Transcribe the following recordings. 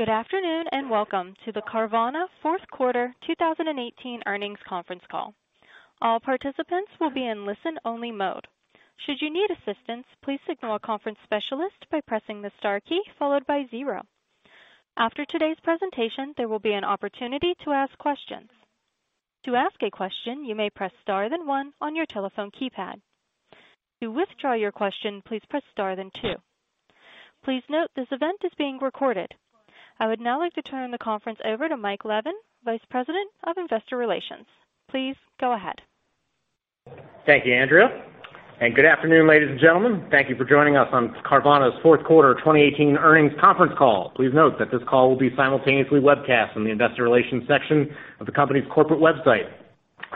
Good afternoon, and welcome to the Carvana fourth quarter 2018 earnings conference call. All participants will be in listen-only mode. Should you need assistance, please signal a conference specialist by pressing the star key followed by 0. After today's presentation, there will be an opportunity to ask questions. To ask a question, you may press star, then 1 on your telephone keypad. To withdraw your question, please press star, then 2. Please note this event is being recorded. I would now like to turn the conference over to Michael Levin, Vice President of Investor Relations. Please go ahead. Thank you, Andrea, and good afternoon, ladies and gentlemen. Thank you for joining us on Carvana's fourth quarter 2018 earnings conference call. Please note that this call will be simultaneously webcast on the investor relations section of the company's corporate website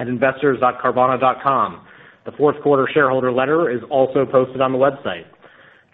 at investors.carvana.com. The fourth quarter shareholder letter is also posted on the website.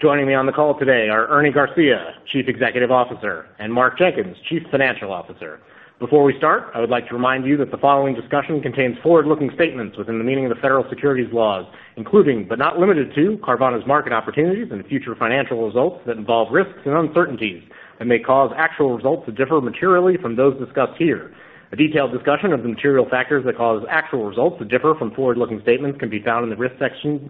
Joining me on the call today are Ernie Garcia, Chief Executive Officer, and Mark Jenkins, Chief Financial Officer. Before we start, I would like to remind you that the following discussion contains forward-looking statements within the meaning of the federal securities laws, including but not limited to Carvana's market opportunities and future financial results that involve risks and uncertainties and may cause actual results to differ materially from those discussed here. A detailed discussion of the material factors that cause actual results to differ from forward-looking statements can be found in the risk section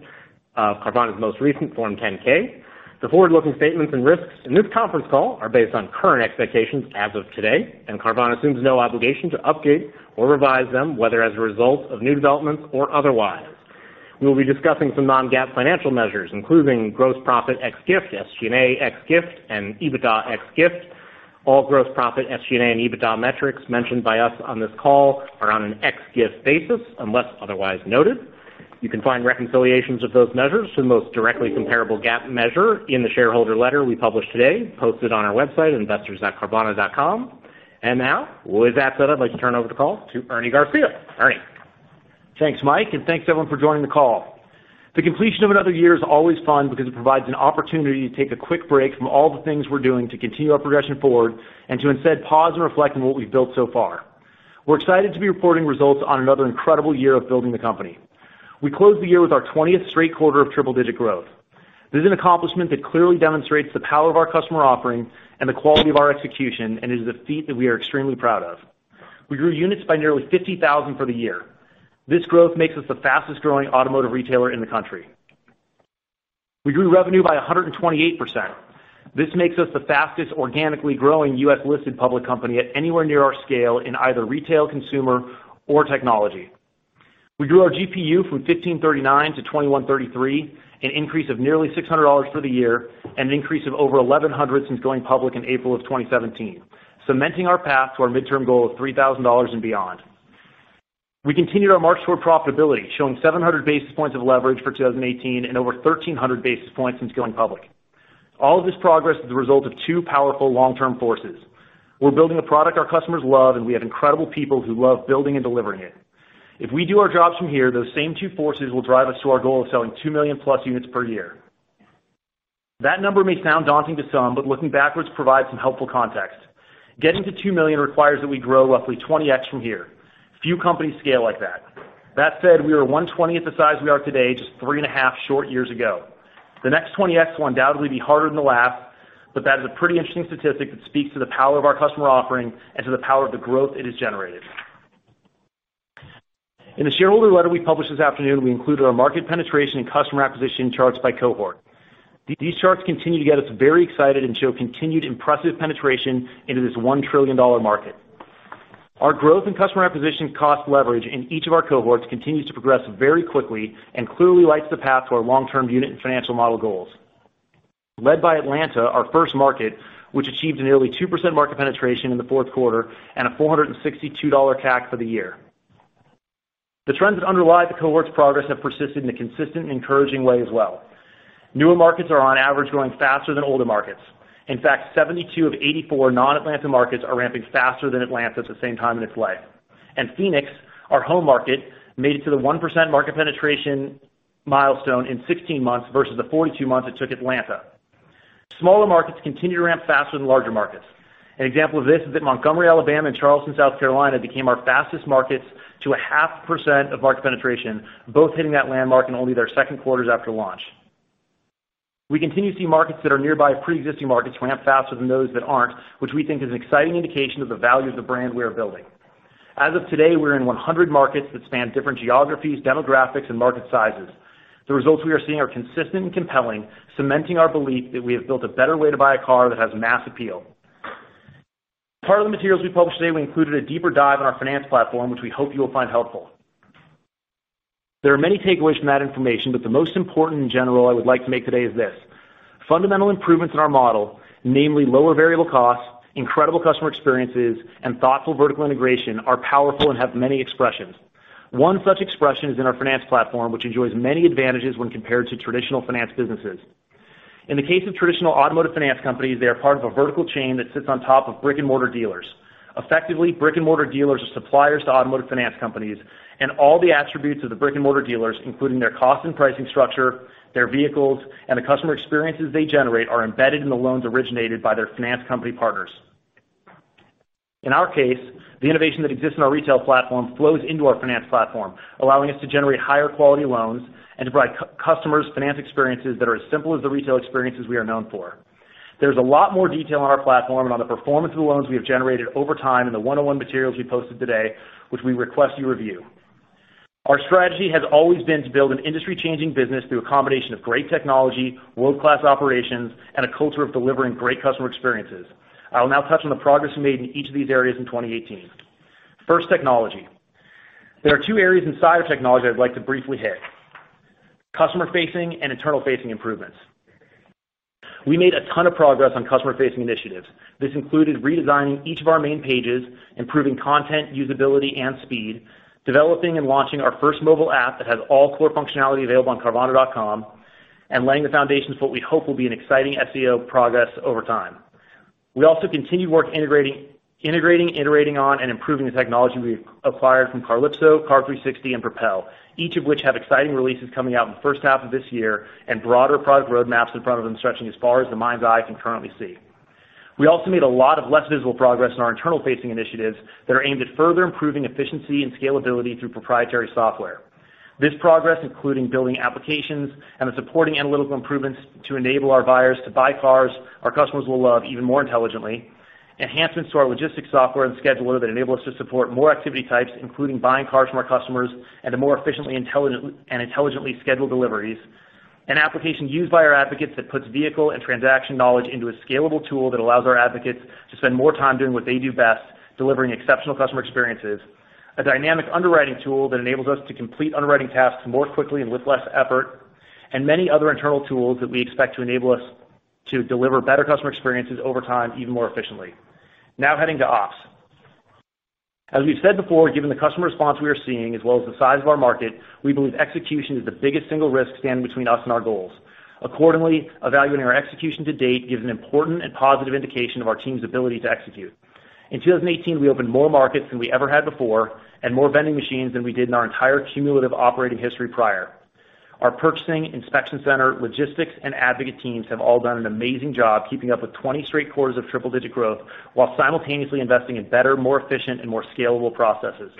of Carvana's most recent Form 10-K. The forward-looking statements and risks in this conference call are based on current expectations as of today. Carvana assumes no obligation to update or revise them, whether as a result of new developments or otherwise. We will be discussing some non-GAAP financial measures, including gross profit ex-Gift, SG&A ex-Gift, and EBITDA ex-Gift. All gross profit, SG&A, and EBITDA metrics mentioned by us on this call are on an ex-Gift basis unless otherwise noted. You can find reconciliations of those measures to the most directly comparable GAAP measure in the shareholder letter we published today, posted on our website, investors.carvana.com. Now, with that said, I'd like to turn over the call to Ernie Garcia. Ernie. Thanks, Mike, and thanks, everyone, for joining the call. The completion of another year is always fun because it provides an opportunity to take a quick break from all the things we're doing to continue our progression forward and to instead pause and reflect on what we've built so far. We're excited to be reporting results on another incredible year of building the company. We closed the year with our 20th straight quarter of triple-digit growth. This is an accomplishment that clearly demonstrates the power of our customer offering and the quality of our execution and is a feat that we are extremely proud of. We grew units by nearly 50,000 for the year. This growth makes us the fastest-growing automotive retailer in the country. We grew revenue by 128%. This makes us the fastest organically growing U.S.-listed public company at anywhere near our scale in either retail, consumer, or technology. We grew our GPU from $1,539 to $2,133, an increase of nearly $600 for the year, and an increase of over $1,100 since going public in April of 2017, cementing our path to our midterm goal of $3,000 and beyond. We continued our march toward profitability, showing 700 basis points of leverage for 2018 and over 1,300 basis points since going public. All of this progress is a result of two powerful long-term forces. We're building a product our customers love, and we have incredible people who love building and delivering it. If we do our jobs from here, those same two forces will drive us to our goal of selling 2 million plus units per year. That number may sound daunting to some. Looking backwards provides some helpful context. Getting to 2 million requires that we grow roughly 20x from here. Few companies scale like that. That said, we were one-twentieth the size we are today just three and a half short years ago. The next 20x will undoubtedly be harder than the last, but that is a pretty interesting statistic that speaks to the power of our customer offering and to the power of the growth it has generated. In the shareholder letter we published this afternoon, we included our market penetration and customer acquisition charts by cohort. These charts continue to get us very excited and show continued impressive penetration into this $1 trillion market. Our growth in customer acquisition cost leverage in each of our cohorts continues to progress very quickly and clearly lights the path to our long-term unit and financial model goals. Led by Atlanta, our first market, which achieved a nearly 2% market penetration in the fourth quarter and a $462 CAC for the year. The trends that underlie the cohorts' progress have persisted in a consistent and encouraging way as well. Newer markets are on average growing faster than older markets. In fact, 72 of 84 non-Atlanta markets are ramping faster than Atlanta at the same time in its life. Phoenix, our home market, made it to the 1% market penetration milestone in 16 months versus the 42 months it took Atlanta. Smaller markets continue to ramp faster than larger markets. An example of this is that Montgomery, Alabama, and Charleston, South Carolina, became our fastest markets to a half percent of market penetration, both hitting that landmark in only their second quarters after launch. We continue to see markets that are nearby preexisting markets ramp faster than those that aren't, which we think is an exciting indication of the value of the brand we are building. As of today, we're in 100 markets that span different geographies, demographics, and market sizes. The results we are seeing are consistent and compelling, cementing our belief that we have built a better way to buy a car that has mass appeal. As part of the materials we published today, we included a deeper dive on our finance platform, which we hope you will find helpful. There are many takeaways from that information, but the most important in general I would like to make today is this: Fundamental improvements in our model, namely lower variable costs, incredible customer experiences, and thoughtful vertical integration, are powerful and have many expressions. One such expression is in our finance platform, which enjoys many advantages when compared to traditional finance businesses. In the case of traditional automotive finance companies, they are part of a vertical chain that sits on top of brick-and-mortar dealers. Effectively, brick-and-mortar dealers are suppliers to automotive finance companies, and all the attributes of the brick-and-mortar dealers, including their cost and pricing structure, their vehicles, and the customer experiences they generate, are embedded in the loans originated by their finance company partners. In our case, the innovation that exists in our retail platform flows into our finance platform, allowing us to generate higher quality loans and to provide customers finance experiences that are as simple as the retail experiences we are known for. There's a lot more detail on our platform and on the performance of the loans we have generated over time in the 101 materials we posted today, which we request you review. Our strategy has always been to build an industry-changing business through a combination of great technology, world-class operations, and a culture of delivering great customer experiences. I will now touch on the progress we made in each of these areas in 2018. First, technology. There are two areas inside of technology I'd like to briefly hit, customer-facing and internal-facing improvements. We made a ton of progress on customer-facing initiatives. This included redesigning each of our main pages, improving content usability and speed, developing and launching our first mobile app that has all core functionality available on carvana.com, and laying the foundations for what we hope will be an exciting SEO progress over time. We also continue work integrating, iterating on, and improving the technology we've acquired from Carlypso, Car360, and Propel AI, each of which have exciting releases coming out in the first half of this year, and broader product roadmaps in front of them stretching as far as the mind's eye can currently see. We also made a lot of less visible progress in our internal-facing initiatives that are aimed at further improving efficiency and scalability through proprietary software. This progress including building applications and the supporting analytical improvements to enable our buyers to buy cars our customers will love even more intelligently, enhancements to our logistics software and scheduler that enable us to support more activity types, including buying cars from our customers, and to more efficiently and intelligently schedule deliveries. An application used by our advocates that puts vehicle and transaction knowledge into a scalable tool that allows our advocates to spend more time doing what they do best, delivering exceptional customer experiences, a dynamic underwriting tool that enables us to complete underwriting tasks more quickly and with less effort, and many other internal tools that we expect to enable us to deliver better customer experiences over time, even more efficiently. Heading to ops. We've said before, given the customer response we are seeing, as well as the size of our market, we believe execution is the biggest single risk standing between us and our goals. Accordingly, evaluating our execution to date gives an important and positive indication of our team's ability to execute. In 2018, we opened more markets than we ever had before and more vending machines than we did in our entire cumulative operating history prior. Our purchasing inspection center, logistics, and advocate teams have all done an amazing job keeping up with 20 straight quarters of triple-digit growth while simultaneously investing in better, more efficient, and more scalable processes.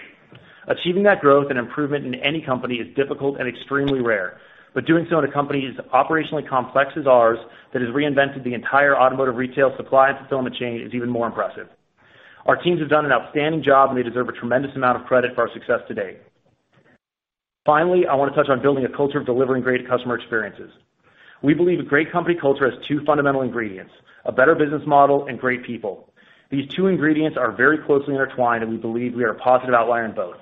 Achieving that growth and improvement in any company is difficult and extremely rare. Doing so in a company as operationally complex as ours that has reinvented the entire automotive retail supply and fulfillment chain is even more impressive. Our teams have done an outstanding job. They deserve a tremendous amount of credit for our success to date. Finally, I want to touch on building a culture of delivering great customer experiences. We believe a great company culture has two fundamental ingredients, a better business model and great people. These two ingredients are very closely intertwined. We believe we are a positive outlier in both.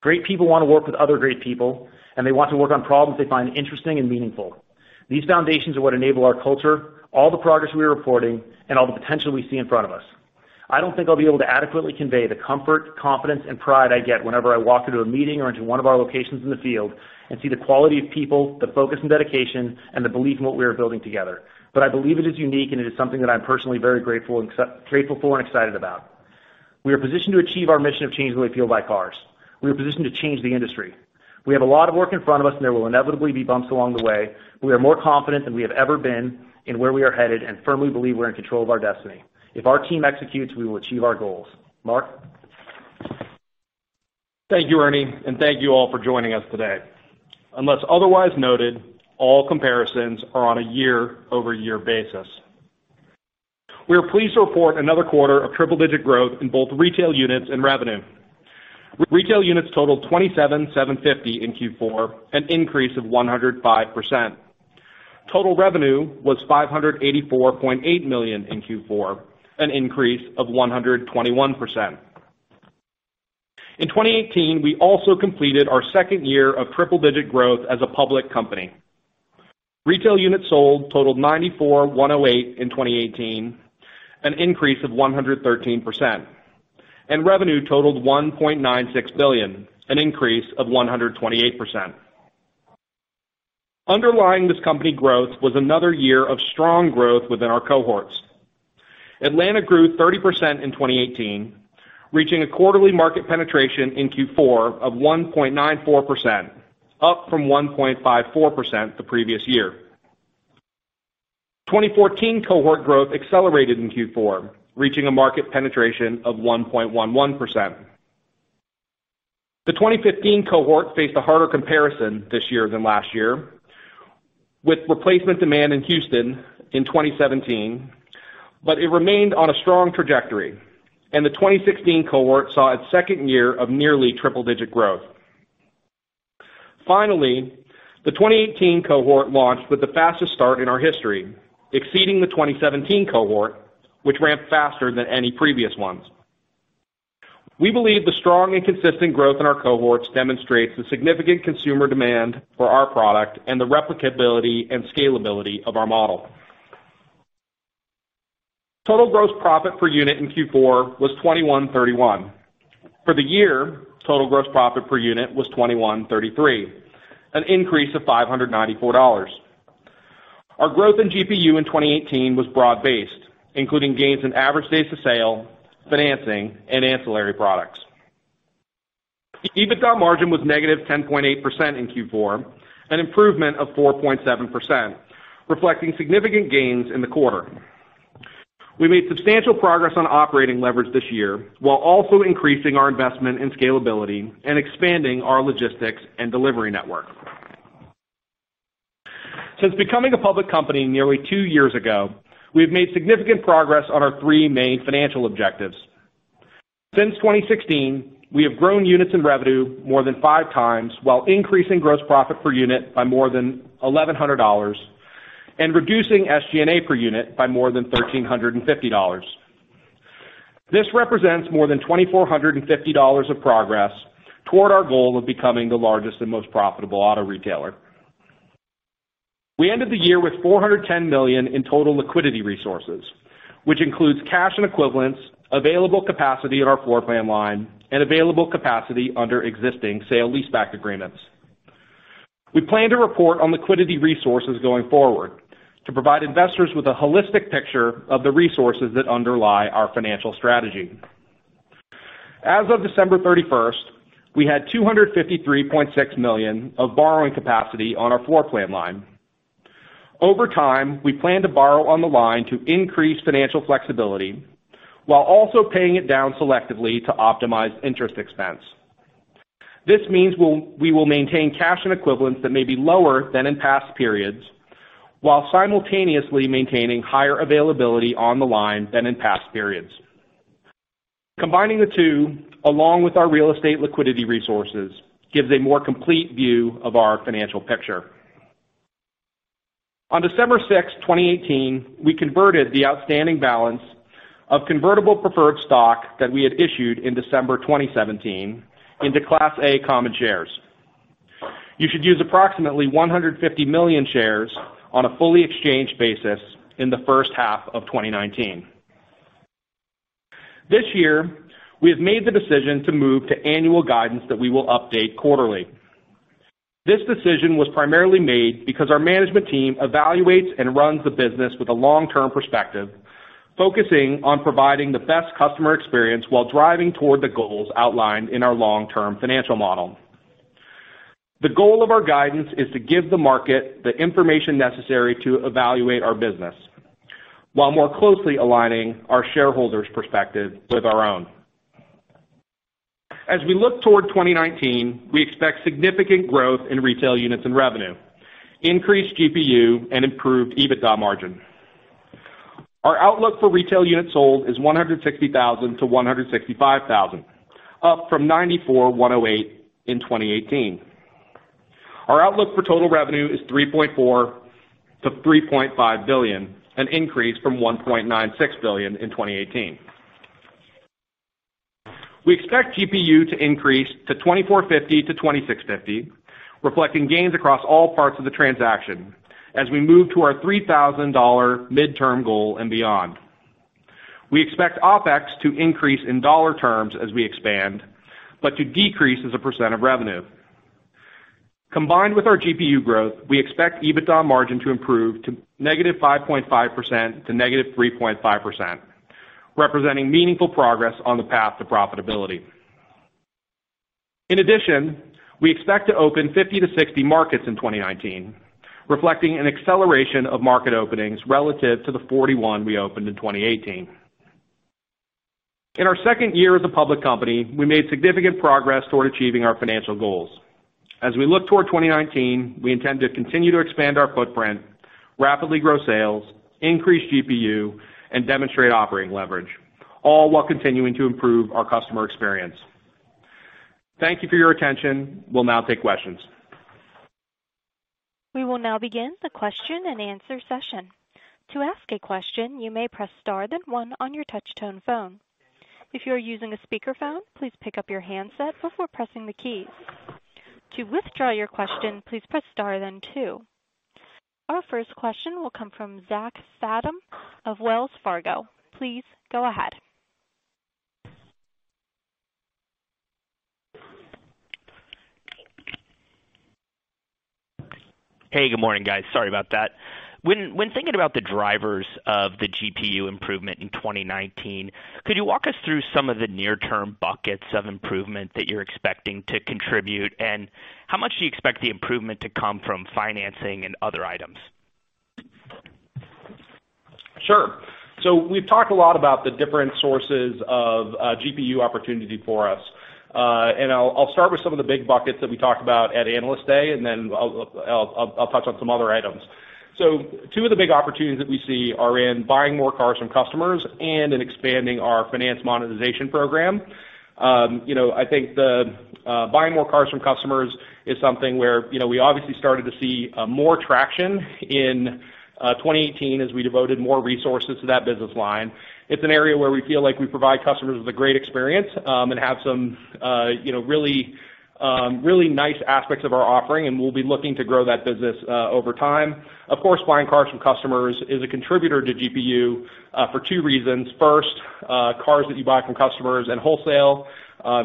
Great people want to work with other great people. They want to work on problems they find interesting and meaningful. These foundations are what enable our culture, all the progress we are reporting, and all the potential we see in front of us. I don't think I'll be able to adequately convey the comfort, confidence, and pride I get whenever I walk into a meeting or into one of our locations in the field and see the quality of people, the focus and dedication, and the belief in what we are building together. I believe it is unique. It is something that I'm personally very grateful for and excited about. We are positioned to achieve our mission of changing the way people buy cars. We are positioned to change the industry. We have a lot of work in front of us. There will inevitably be bumps along the way. We are more confident than we have ever been in where we are headed. Firmly believe we're in control of our destiny. If our team executes, we will achieve our goals. Mark? Thank you, Ernie. Thank you all for joining us today. Unless otherwise noted, all comparisons are on a year-over-year basis. We are pleased to report another quarter of triple-digit growth in both retail units and revenue. Retail units totaled 27,750 in Q4, an increase of 105%. Total revenue was $584.8 million in Q4, an increase of 121%. In 2018, we also completed our second year of triple-digit growth as a public company. Retail units sold totaled 94,108 in 2018, an increase of 113%. Revenue totaled $1.96 billion, an increase of 128%. Underlying this company growth was another year of strong growth within our cohorts. Atlanta grew 30% in 2018, reaching a quarterly market penetration in Q4 of 1.94%, up from 1.54% the previous year. 2014 cohort growth accelerated in Q4, reaching a market penetration of 1.11%. The 2015 cohort faced a harder comparison this year than last year with replacement demand in Houston in 2017, but it remained on a strong trajectory, and the 2016 cohort saw its second year of nearly triple-digit growth. Finally, the 2018 cohort launched with the fastest start in our history, exceeding the 2017 cohort, which ramped faster than any previous ones. We believe the strong and consistent growth in our cohorts demonstrates the significant consumer demand for our product and the replicability and scalability of our model. Total gross profit per unit in Q4 was $2,131. For the year, total gross profit per unit was $2,133, an increase of $594. Our growth in GPU in 2018 was broad-based, including gains in average days to sale, financing, and ancillary products. EBITDA margin was negative 10.8% in Q4, an improvement of 4.7%, reflecting significant gains in the quarter. We made substantial progress on operating leverage this year while also increasing our investment in scalability and expanding our logistics and delivery network. Since becoming a public company nearly two years ago, we have made significant progress on our three main financial objectives. Since 2016, we have grown units in revenue more than five times while increasing gross profit per unit by more than $1,100 and reducing SG&A per unit by more than $1,350. This represents more than $2,450 of progress toward our goal of becoming the largest and most profitable auto retailer. We ended the year with $410 million in total liquidity resources, which includes cash and equivalents, available capacity in our floor plan line and available capacity under existing sale-leaseback agreements. We plan to report on liquidity resources going forward to provide investors with a holistic picture of the resources that underlie our financial strategy. As of December 31st, we had $253.6 million of borrowing capacity on our floor plan line. Over time, we plan to borrow on the line to increase financial flexibility while also paying it down selectively to optimize interest expense. This means we will maintain cash and equivalents that may be lower than in past periods while simultaneously maintaining higher availability on the line than in past periods. Combining the two, along with our real estate liquidity resources, gives a more complete view of our financial picture. On December 6, 2018, we converted the outstanding balance of convertible preferred stock that we had issued in December 2017 into Class A common shares. You should use approximately 150 million shares on a fully exchanged basis in the first half of 2019. This year, we have made the decision to move to annual guidance that we will update quarterly. This decision was primarily made because our management team evaluates and runs the business with a long-term perspective, focusing on providing the best customer experience while driving toward the goals outlined in our long-term financial model. The goal of our guidance is to give the market the information necessary to evaluate our business while more closely aligning our shareholders' perspective with our own. As we look toward 2019, we expect significant growth in retail units and revenue, increased GPU and improved EBITDA margin. Our outlook for retail units sold is 160,000-165,000, up from 94,108 in 2018. Our outlook for total revenue is $3.4 billion-$3.5 billion, an increase from $1.96 billion in 2018. We expect GPU to increase to $2,450-$2,650, reflecting gains across all parts of the transaction as we move to our $3,000 midterm goal and beyond. We expect OpEx to increase in dollar terms as we expand, but to decrease as a percent of revenue. Combined with our GPU growth, we expect EBITDA margin to improve to -5.5% to -3.5%, representing meaningful progress on the path to profitability. In addition, we expect to open 50-60 markets in 2019, reflecting an acceleration of market openings relative to the 41 we opened in 2018. In our second year as a public company, we made significant progress toward achieving our financial goals. As we look toward 2019, we intend to continue to expand our footprint, rapidly grow sales, increase GPU and demonstrate operating leverage, all while continuing to improve our customer experience. Thank you for your attention. We'll now take questions. We will now begin the question and answer session. To ask a question, you may press star then one on your touchtone phone. If you are using a speakerphone, please pick up your handset before pressing the keys. To withdraw your question, please press star then two. Our first question will come from Zachary Fadem of Wells Fargo. Please go ahead. Hey, good morning, guys. Sorry about that. When thinking about the drivers of the GPU improvement in 2019, could you walk us through some of the near-term buckets of improvement that you're expecting to contribute? How much do you expect the improvement to come from financing and other items? Sure. We've talked a lot about the different sources of GPU opportunity for us. I'll start with some of the big buckets that we talked about at Analyst Day, then I'll touch on some other items. Two of the big opportunities that we see are in buying more cars from customers and in expanding our finance monetization program. I think buying more cars from customers is something where we obviously started to see more traction in 2018 as we devoted more resources to that business line. It's an area where we feel like we provide customers with a great experience and have some really nice aspects of our offering, and we'll be looking to grow that business over time. Of course, buying cars from customers is a contributor to GPU for two reasons. Cars that you buy from customers and wholesale,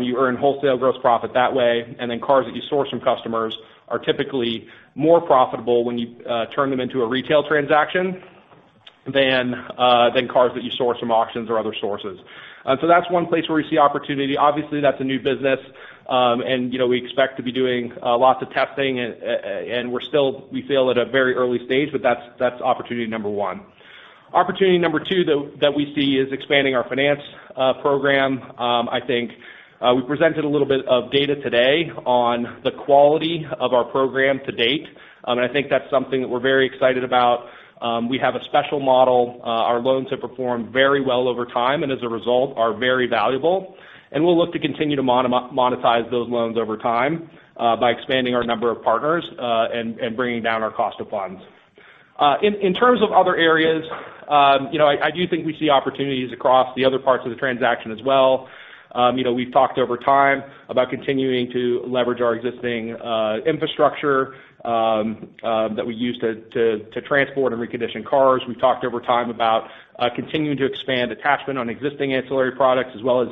you earn wholesale gross profit that way, cars that you source from customers are typically more profitable when you turn them into a retail transaction. Than cars that you source from auctions or other sources. That's one place where we see opportunity. Obviously, that's a new business, and we expect to be doing lots of testing, and we're still at a very early stage, but that's opportunity number 1. Opportunity number 2 that we see is expanding our finance program. I think we presented a little bit of data today on the quality of our program to date, and I think that's something that we're very excited about. We have a special model. Our loans have performed very well over time and as a result, are very valuable, and we'll look to continue to monetize those loans over time, by expanding our number of partners, and bringing down our cost of funds. In terms of other areas, I do think we see opportunities across the other parts of the transaction as well. We've talked over time about continuing to leverage our existing infrastructure that we use to transport and recondition cars. We've talked over time about continuing to expand attachment on existing ancillary products as well as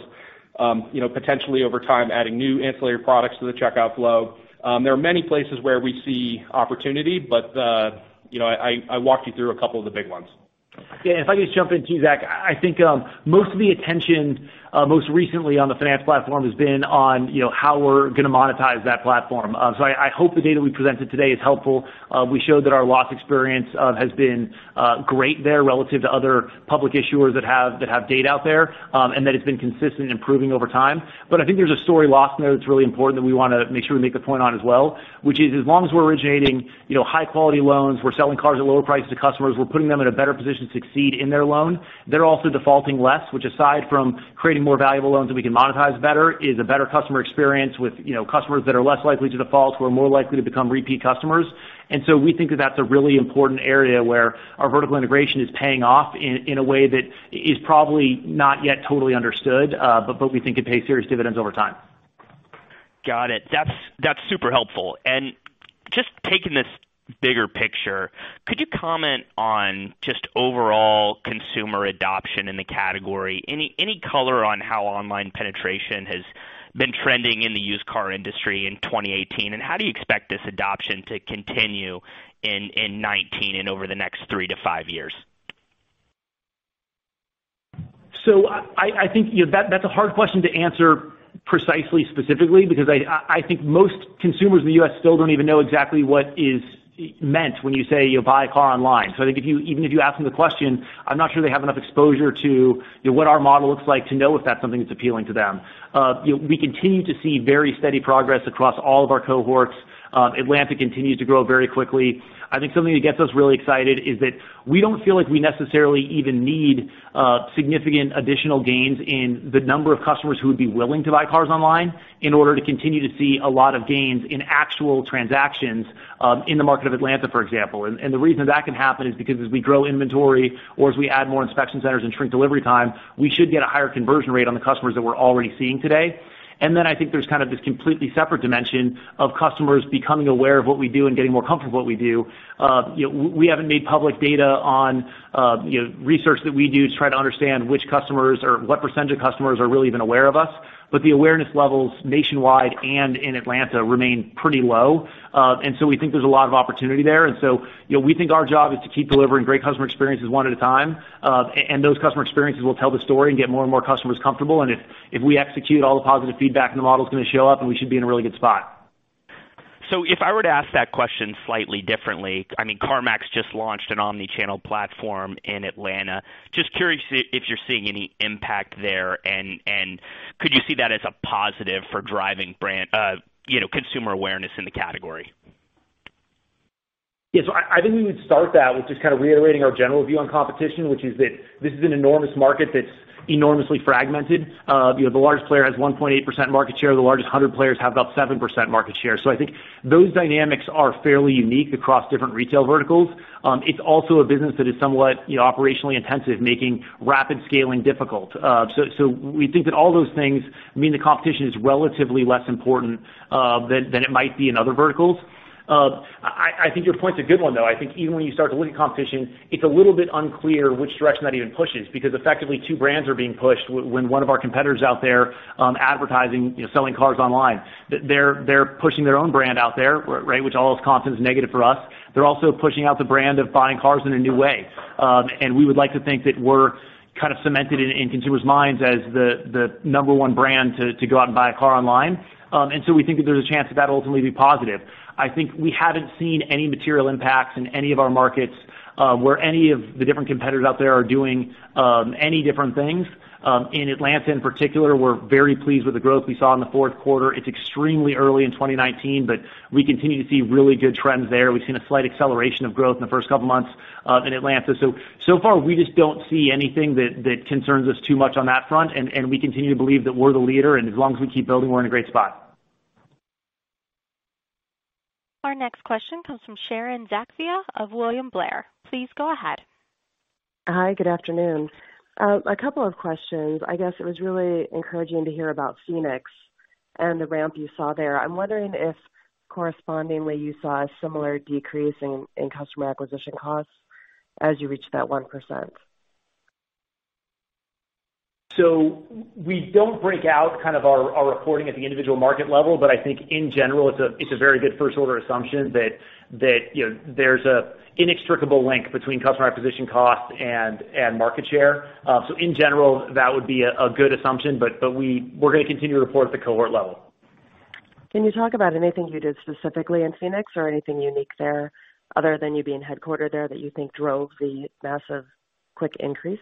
potentially over time, adding new ancillary products to the checkout flow. There are many places where we see opportunity, but I walked you through a couple of the big ones. Yeah, if I could just jump in too, Zach, I think, most of the attention, most recently on the finance platform has been on how we're going to monetize that platform. I hope the data we presented today is helpful. We showed that our loss experience has been great there relative to other public issuers that have data out there, and that it's been consistent in improving over time. I think there's a story lost there that's really important that we want to make sure we make the point on as well, which is as long as we're originating high quality loans, we're selling cars at lower prices to customers, we're putting them in a better position to succeed in their loan. They're also defaulting less, which aside from creating more valuable loans that we can monetize better, is a better customer experience with customers that are less likely to default, who are more likely to become repeat customers. We think that that's a really important area where our vertical integration is paying off in a way that is probably not yet totally understood, but we think it pays serious dividends over time. Got it. That's super helpful. Just taking this bigger picture, could you comment on just overall consumer adoption in the category? Any color on how online penetration has been trending in the used car industry in 2018, and how do you expect this adoption to continue in 2019 and over the next three to five years? I think that's a hard question to answer precisely specifically because I think most consumers in the U.S. still don't even know exactly what is meant when you say you buy a car online. I think even if you ask them the question, I'm not sure they have enough exposure to what our model looks like to know if that's something that's appealing to them. We continue to see very steady progress across all of our cohorts. Atlanta continues to grow very quickly. I think something that gets us really excited is that we don't feel like we necessarily even need significant additional gains in the number of customers who would be willing to buy cars online in order to continue to see a lot of gains in actual transactions, in the market of Atlanta, for example. The reason that can happen is because as we grow inventory or as we add more inspection centers and shrink delivery time, we should get a higher conversion rate on the customers that we're already seeing today. I think there's this completely separate dimension of customers becoming aware of what we do and getting more comfortable with what we do. We haven't made public data on research that we do to try to understand which customers or what percentage of customers are really even aware of us, but the awareness levels nationwide and in Atlanta remain pretty low. We think there's a lot of opportunity there. We think our job is to keep delivering great customer experiences one at a time. Those customer experiences will tell the story and get more and more customers comfortable. If we execute all the positive feedback, the model's going to show up, we should be in a really good spot. if I were to ask that question slightly differently, CarMax just launched an omni-channel platform in Atlanta. Just curious if you're seeing any impact there, and could you see that as a positive for driving consumer awareness in the category? Yeah. I think we would start that with just reiterating our general view on competition, which is that this is an enormous market that's enormously fragmented. The largest player has 1.8% market share. The largest 100 players have about 7% market share. I think those dynamics are fairly unique across different retail verticals. It's also a business that is somewhat operationally intensive, making rapid scaling difficult. We think that all those things mean the competition is relatively less important, than it might be in other verticals. I think your point's a good one, though. I think even when you start to look at competition, it's a little bit unclear which direction that even pushes, because effectively two brands are being pushed when one of our competitors out there advertising selling cars online. They're pushing their own brand out there, right, which all else constant is negative for us. They're also pushing out the brand of buying cars in a new way. We would like to think that we're kind of cemented in consumers' minds as the number one brand to go out and buy a car online. We think that there's a chance that that'll ultimately be positive. I think we haven't seen any material impacts in any of our markets, where any of the different competitors out there are doing any different things. In Atlanta in particular, we're very pleased with the growth we saw in the fourth quarter. It's extremely early in 2019, but we continue to see really good trends there. We've seen a slight acceleration of growth in the first couple of months, in Atlanta. So far, we just don't see anything that concerns us too much on that front. We continue to believe that we're the leader, and as long as we keep building, we're in a great spot. Our next question comes from Sharon Zackfia of William Blair. Please go ahead. Hi, good afternoon. A couple of questions. I guess it was really encouraging to hear about Phoenix and the ramp you saw there. I'm wondering if correspondingly, you saw a similar decrease in customer acquisition costs as you reached that 1%. We don't break out our reporting at the individual market level, but I think in general, it's a very good first-order assumption that there's an inextricable link between customer acquisition cost and market share. In general, that would be a good assumption, but we're going to continue to report at the cohort level. Can you talk about anything you did specifically in Phoenix or anything unique there other than you being headquartered there that you think drove the massive quick increase?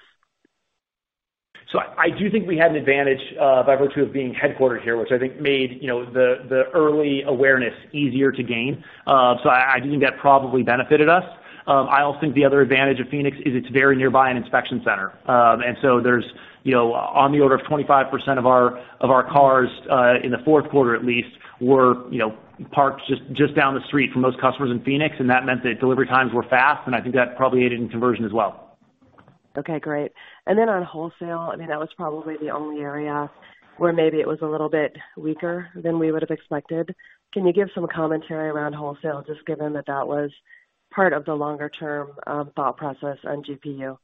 I do think we had an advantage by virtue of being headquartered here, which I think made the early awareness easier to gain. I do think that probably benefited us. I also think the other advantage of Phoenix is it's very nearby an inspection center. There's on the order of 25% of our cars, in the fourth quarter at least, were parked just down the street from most customers in Phoenix, that meant that delivery times were fast, and I think that probably aided in conversion as well. On wholesale, I mean, that was probably the only area where maybe it was a little bit weaker than we would've expected. Can you give some commentary around wholesale, just given that that was part of the longer-term thought process on GPU?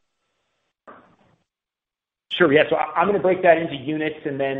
Sure. Yeah. I'm going to break that into units and then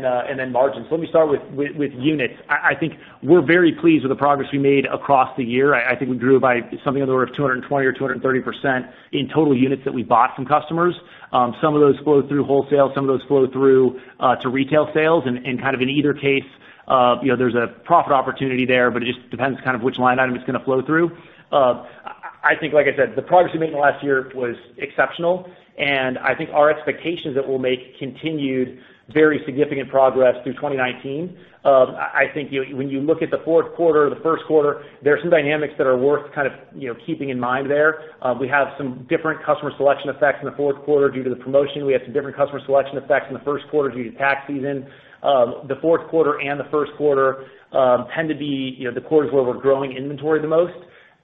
margins. Let me start with units. I think we're very pleased with the progress we made across the year. I think we grew by something on the order of 220 or 230% in total units that we bought from customers. Some of those flow through wholesale, some of those flow through to retail sales. Kind of in either case, there's a profit opportunity there, but it just depends which line item it's going to flow through. I think, like I said, the progress we made in the last year was exceptional, and I think our expectation is that we'll make continued very significant progress through 2019. I think when you look at the fourth quarter, the first quarter, there are some dynamics that are worth keeping in mind there. We have some different customer selection effects in the fourth quarter due to the promotion. We have some different customer selection effects in the first quarter due to tax season. The fourth quarter and the first quarter tend to be the quarters where we're growing inventory the most.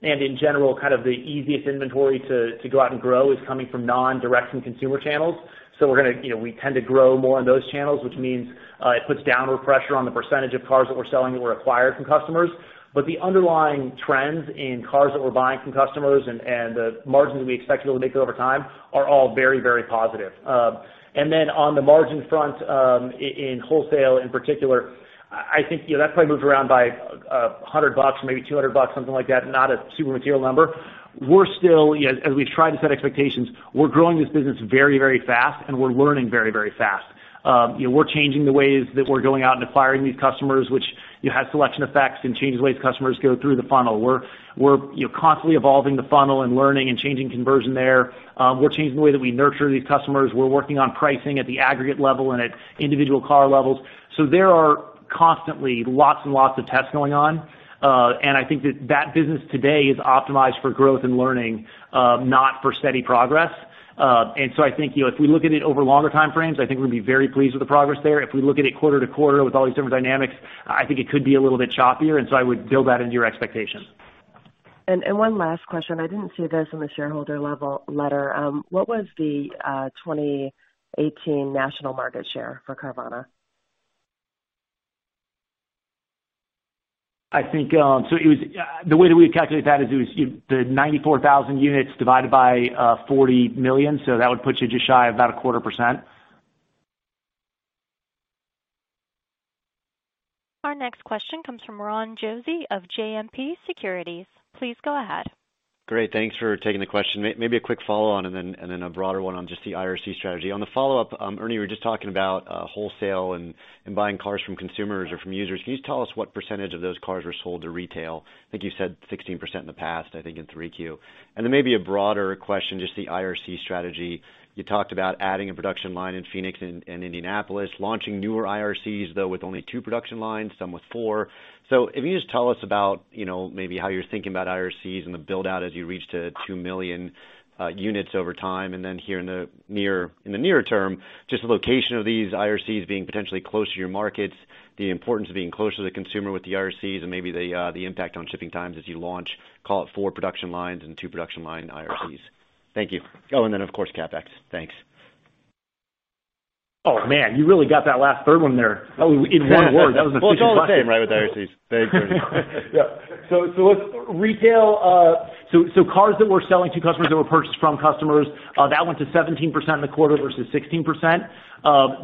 In general, the easiest inventory to go out and grow is coming from non-direct-to-consumer channels. We tend to grow more on those channels, which means it puts downward pressure on the percentage of cars that we're selling that were acquired from customers. The underlying trends in cars that we're buying from customers and the margins that we expect to be able to make over time are all very positive. On the margin front, in wholesale in particular, I think that probably moves around by $100 or maybe $200, something like that. Not a super material number. We're still, as we've tried to set expectations, we're growing this business very fast, and we're learning very fast. We're changing the ways that we're going out and acquiring these customers, which has selection effects and changes the ways customers go through the funnel. We're constantly evolving the funnel and learning and changing conversion there. We're changing the way that we nurture these customers. We're working on pricing at the aggregate level and at individual car levels. There are constantly lots and lots of tests going on. I think that that business today is optimized for growth and learning, not for steady progress. I think if we look at it over longer time frames, I think we're going to be very pleased with the progress there. If we look at it quarter-to-quarter with all these different dynamics, I think it could be a little bit choppier, I would build that into your expectations. One last question. I didn't see this in the shareholder letter. What was the 2018 national market share for Carvana? The way that we calculate that is the 94,000 units divided by 40 million. That would put you just shy of about a quarter%. Our next question comes from Ron Josey of JMP Securities. Please go ahead. Great. Thanks for taking the question. Maybe a quick follow-on and then a broader one on just the IRC strategy. On the follow-up, Ernie, we're just talking about wholesale and buying cars from consumers or from users. Can you tell us what % of those cars were sold to retail? I think you said 16% in the past, I think in 3Q. Maybe a broader question, just the IRC strategy. You talked about adding a production line in Phoenix and Indianapolis, launching newer IRCs, though with only two production lines, some with four. If you just tell us about maybe how you're thinking about IRCs and the build-out as you reach to 2 million units over time, here in the near term, just the location of these IRCs being potentially closer to your markets, the importance of being closer to the consumer with the IRCs, and maybe the impact on shipping times as you launch, call it, four production lines and two production line IRCs. Thank you. Of course, CapEx. Thanks. Man. You really got that last third one there in one word. That was efficient. It's all the same, right, with IRCs. Thanks, Ernie. Cars that we're selling to customers that were purchased from customers, that went to 17% in the quarter versus 16%.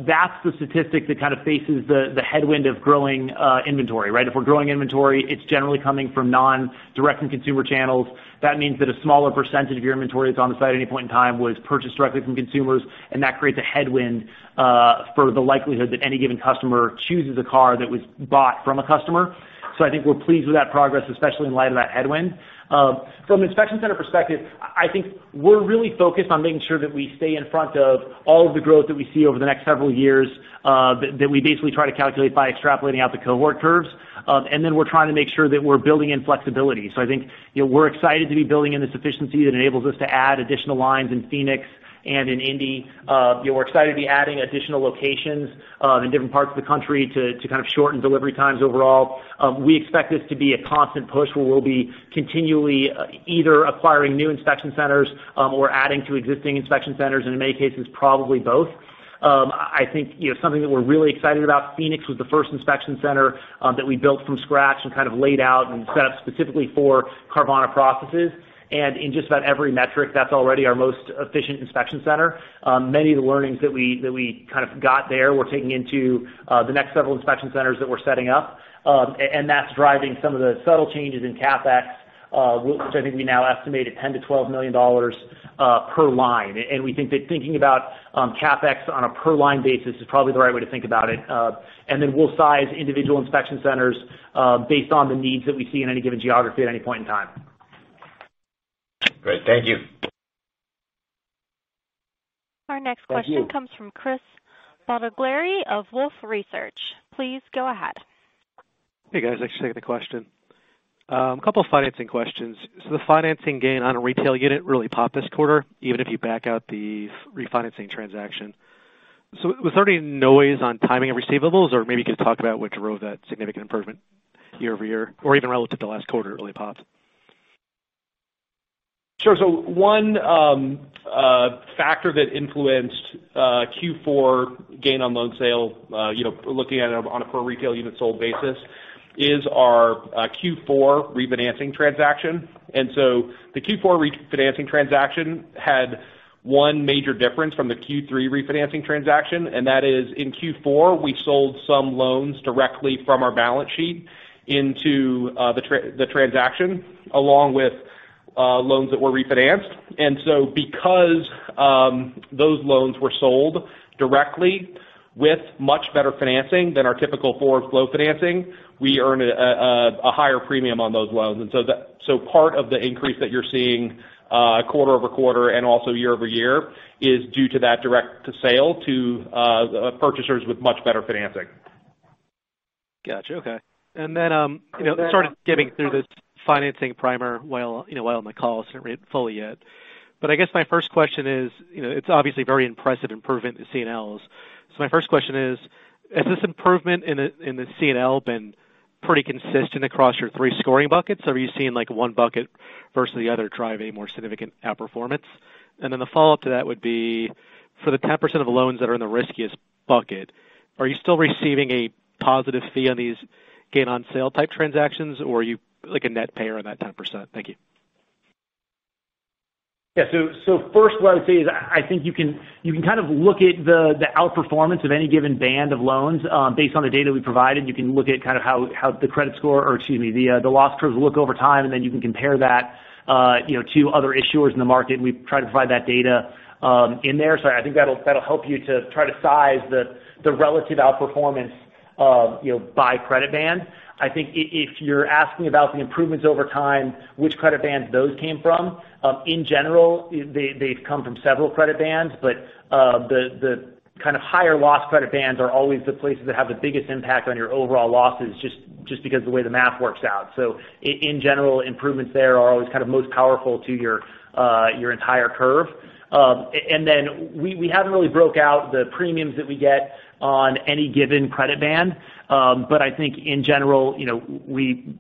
That's the statistic that faces the headwind of growing inventory, right? If we're growing inventory, it's generally coming from non-direct-to-consumer channels. That means that a smaller percentage of your inventory that's on the site at any point in time was purchased directly from consumers, and that creates a headwind for the likelihood that any given customer chooses a car that was bought from a customer. I think we're pleased with that progress, especially in light of that headwind. From an inspection center perspective, I think we're really focused on making sure that we stay in front of all of the growth that we see over the next several years, that we basically try to calculate by extrapolating out the cohort curves. We're trying to make sure that we're building in flexibility. I think we're excited to be building in the sufficiency that enables us to add additional lines in Phoenix and in Indy. We're excited to be adding additional locations in different parts of the country to shorten delivery times overall. We expect this to be a constant push where we'll be continually either acquiring new inspection centers or adding to existing inspection centers, and in many cases, probably both. I think something that we're really excited about, Phoenix was the first inspection center that we built from scratch and laid out and set up specifically for Carvana processes. In just about every metric, that's already our most efficient inspection center. Many of the learnings that we got there we're taking into the next several inspection centers that we're setting up. That's driving some of the subtle changes in CapEx, which I think we now estimate at $10 million-$12 million per line. We think that thinking about CapEx on a per line basis is probably the right way to think about it. Then we'll size individual inspection centers based on the needs that we see in any given geography at any point in time. Great. Thank you. Our next question comes from Chris Bottiglieri of Wolfe Research. Please go ahead. Hey, guys. Thanks for taking the question. A couple of financing questions. The financing gain on a retail unit really popped this quarter, even if you back out the refinancing transaction. Was there any noise on timing of receivables? Or maybe you could talk about what drove that significant improvement year-over-year, or even relative to last quarter, it really popped. Sure. One factor that influenced Q4 gain on loan sale, looking at it on a per retail unit sold basis, is our Q4 refinancing transaction. The Q4 refinancing transaction had one major difference from the Q3 refinancing transaction, that is in Q4, we sold some loans directly from our balance sheet into the transaction, along with loans that were refinanced. Because those loans were sold directly with much better financing than our typical forward flow financing, we earn a higher premium on those loans. Part of the increase that you're seeing quarter-over-quarter and also year-over-year is due to that direct to sale to purchasers with much better financing. Got you. Okay. Sort of getting through this financing primer while on the call, it's not read fully yet. I guess my first question is, it's obviously very impressive improvement in C&I. My first question is, has this improvement in the C&I been pretty consistent across your three scoring buckets? Or are you seeing one bucket versus the other drive a more significant outperformance? The follow-up to that would be, for the 10% of loans that are in the riskiest bucket, are you still receiving a positive fee on these gain on sale type transactions, or are you a net payer on that 10%? Thank you. Yeah. First, what I would say is I think you can kind of look at the outperformance of any given band of loans based on the data we provided. You can look at kind of how the credit score or, excuse me, the loss curves look over time, and then you can compare that to other issuers in the market. We try to provide that data in there. I think that'll help you to try to size the relative outperformance by credit band. I think if you're asking about the improvements over time, which credit bands those came from, in general, they've come from several credit bands, but the kind of higher loss credit bands are always the places that have the biggest impact on your overall losses just because the way the math works out. In general, improvements there are always kind of most powerful to your entire curve. We haven't really broke out the premiums that we get on any given credit band. I think in general, we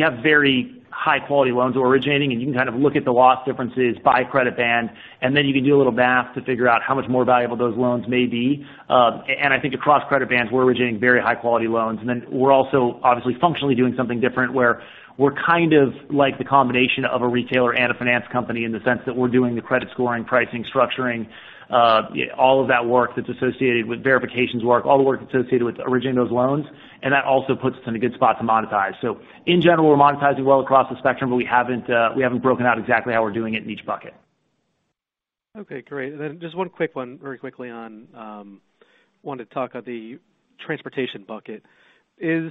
have very high-quality loans originating, and you can kind of look at the loss differences by credit band, and then you can do a little math to figure out how much more valuable those loans may be. I think across credit bands, we're originating very high-quality loans. We're also obviously functionally doing something different where we're kind of like the combination of a retailer and a finance company in the sense that we're doing the credit scoring, pricing, structuring, all of that work that's associated with verifications work, all the work associated with originating those loans, and that also puts us in a good spot to monetize. In general, we're monetizing well across the spectrum, but we haven't broken out exactly how we're doing it in each bucket. Okay, great. Just one quick one very quickly on Wanted to talk about the transportation bucket. Because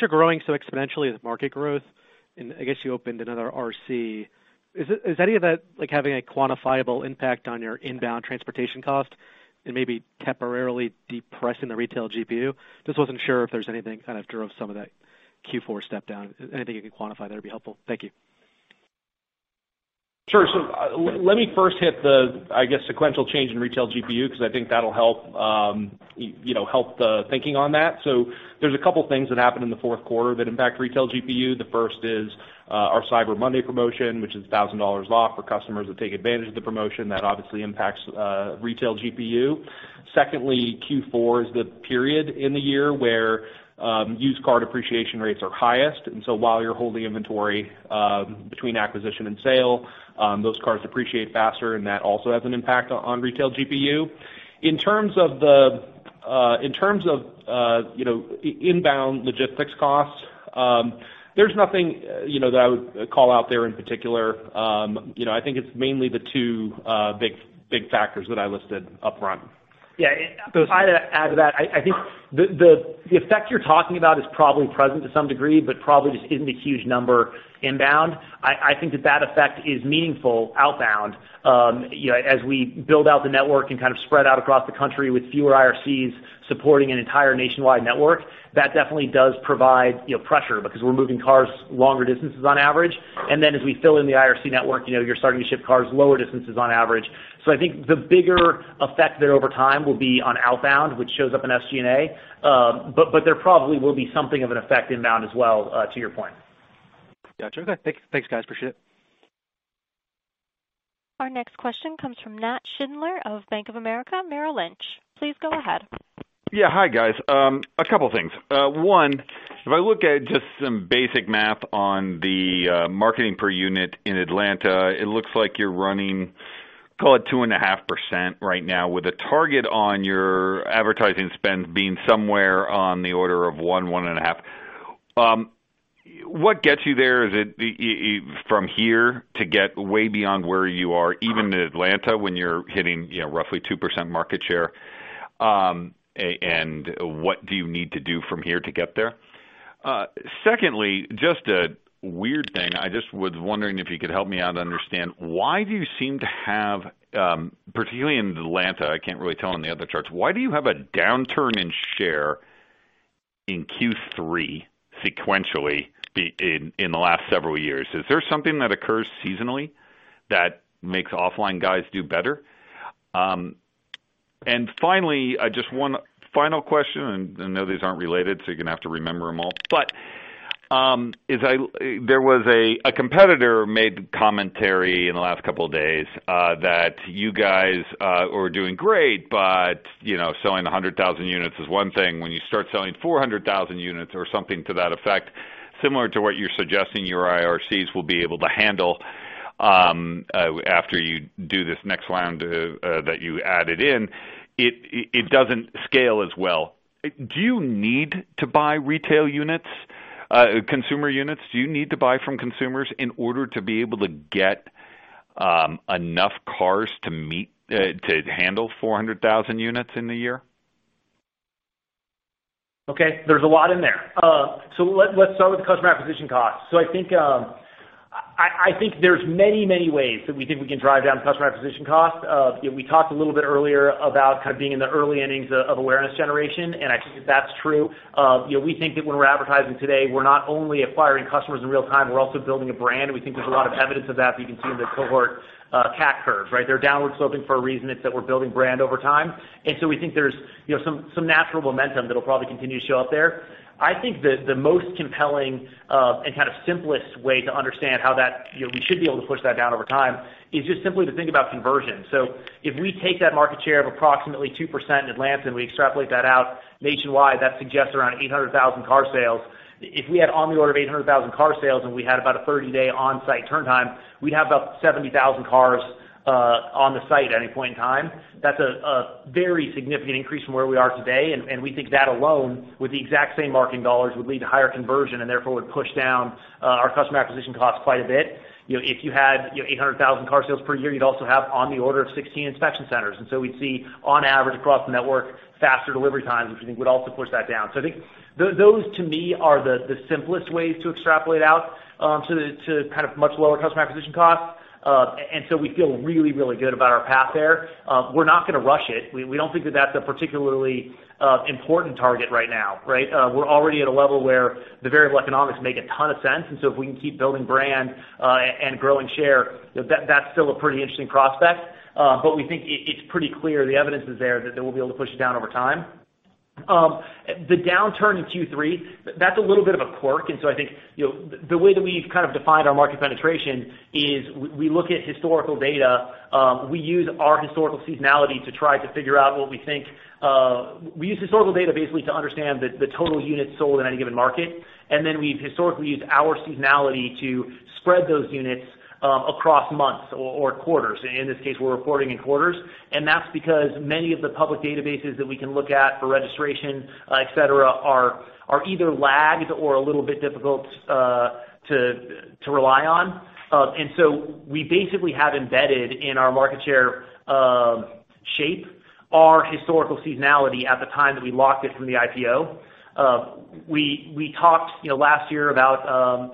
you're growing so exponentially with market growth, and I guess you opened another RC, is any of that having a quantifiable impact on your inbound transportation cost and maybe temporarily depressing the retail GPU? Just wasn't sure if there's anything kind of drove some of that Q4 step down. Anything you can quantify there would be helpful. Thank you. Sure. Let me first hit the, I guess, sequential change in retail GPU, because I think that will help the thinking on that. There's a couple of things that happened in the fourth quarter that impact retail GPU. The first is our Cyber Monday promotion, which is $1,000 off for customers that take advantage of the promotion. That obviously impacts retail GPU. Secondly, Q4 is the period in the year where used car appreciation rates are highest, and while you're holding inventory between acquisition and sale, those cars depreciate faster, and that also has an impact on retail GPU. In terms of inbound logistics costs, there's nothing that I would call out there in particular. I think it's mainly the two big factors that I listed upfront. Yeah. To add to that, I think the effect you're talking about is probably present to some degree, but probably just isn't a huge number inbound. I think that effect is meaningful outbound. As we build out the network and kind of spread out across the country with fewer IRCs supporting an entire nationwide network, that definitely does provide pressure because we're moving cars longer distances on average. As we fill in the IRC network, you're starting to ship cars lower distances on average. I think the bigger effect there over time will be on outbound, which shows up in SG&A. There probably will be something of an effect inbound as well, to your point. Got you. Okay. Thanks, guys. Appreciate it. Our next question comes from Nat Schindler of Bank of America, Merrill Lynch. Please go ahead. Yeah. Hi, guys. A couple of things. One, if I look at just some basic math on the marketing per unit in Atlanta, it looks like you're running. Call it 2.5% right now with a target on your advertising spend being somewhere on the order of 1%, 1.5%. What gets you there? Is it from here to get way beyond where you are, even in Atlanta, when you're hitting roughly 2% market share? What do you need to do from here to get there? Secondly, just a weird thing. I just was wondering if you could help me out understand why do you seem to have, particularly in Atlanta, I can't really tell on the other charts, why do you have a downturn in share in Q3 sequentially in the last several years? Is there something that occurs seasonally that makes offline guys do better? Finally, just one final question, and I know these aren't related, so you're going to have to remember them all. There was a competitor made commentary in the last couple of days that you guys were doing great, but selling 100,000 units is one thing. When you start selling 400,000 units or something to that effect, similar to what you're suggesting your IRCs will be able to handle after you do this next round that you added in, it doesn't scale as well. Do you need to buy retail units, consumer units? Do you need to buy from consumers in order to be able to get enough cars to handle 400,000 units in a year? Okay. There's a lot in there. Let's start with customer acquisition costs. I think there's many ways that we think we can drive down customer acquisition costs. We talked a little bit earlier about being in the early innings of awareness generation, and I think that's true. We think that when we're advertising today, we're not only acquiring customers in real time, we're also building a brand, and we think there's a lot of evidence of that that you can see in the cohort CAC curves, right? They're downward sloping for a reason. It's that we're building brand over time. We think there's some natural momentum that'll probably continue to show up there. I think that the most compelling, and simplest way to understand how we should be able to push that down over time is just simply to think about conversion. If we take that market share of approximately 2% in Atlanta and we extrapolate that out nationwide, that suggests around 800,000 car sales. If we had on the order of 800,000 car sales and we had about a 30-day on-site turn time, we'd have about 70,000 cars on the site at any point in time. That's a very significant increase from where we are today, and we think that alone, with the exact same marketing dollars, would lead to higher conversion and therefore would push down our customer acquisition cost quite a bit. If you had 800,000 car sales per year, you'd also have on the order of 16 inspection centers. We'd see on average across the network, faster delivery times, which we think would also push that down. I think those to me are the simplest ways to extrapolate out to much lower customer acquisition costs. We feel really good about our path there. We're not going to rush it. We don't think that's a particularly important target right now, right? We're already at a level where the variable economics make a ton of sense, if we can keep building brand and growing share, that's still a pretty interesting prospect. We think it's pretty clear the evidence is there that we'll be able to push it down over time. The downturn in Q3, that's a little bit of a quirk, I think the way that we've defined our market penetration is we look at historical data. We use our historical seasonality to try to figure out what we think. We use historical data basically to understand the total units sold in any given market. We've historically used our seasonality to spread those units across months or quarters. In this case, we're reporting in quarters, that's because many of the public databases that we can look at for registration, etc., are either lagged or a little bit difficult to rely on. We basically have embedded in our market share shape our historical seasonality at the time that we locked it from the IPO. We talked last year about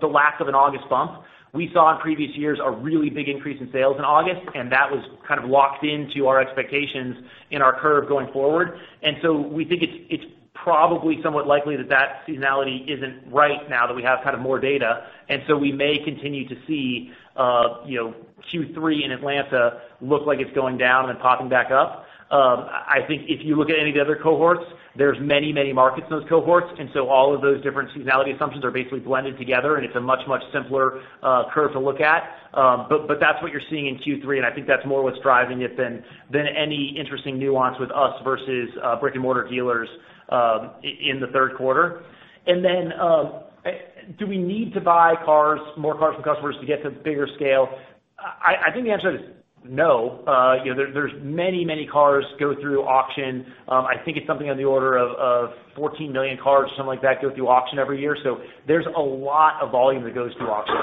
the lack of an August bump. We saw in previous years a really big increase in sales in August, that was locked into our expectations in our curve going forward. We think it's probably somewhat likely that seasonality isn't right now that we have more data. We may continue to see Q3 in Atlanta look like it's going down, then popping back up. I think if you look at any of the other cohorts, there's many markets in those cohorts, all of those different seasonality assumptions are basically blended together, it's a much simpler curve to look at. That's what you're seeing in Q3, I think that's more what's driving it than any interesting nuance with us versus brick-and-mortar dealers in the third quarter. Do we need to buy more cars from customers to get to bigger scale? I think the answer is no. There's many cars go through auction. I think it's something on the order of 14 million cars, something like that, go through auction every year. There's a lot of volume that goes through auction.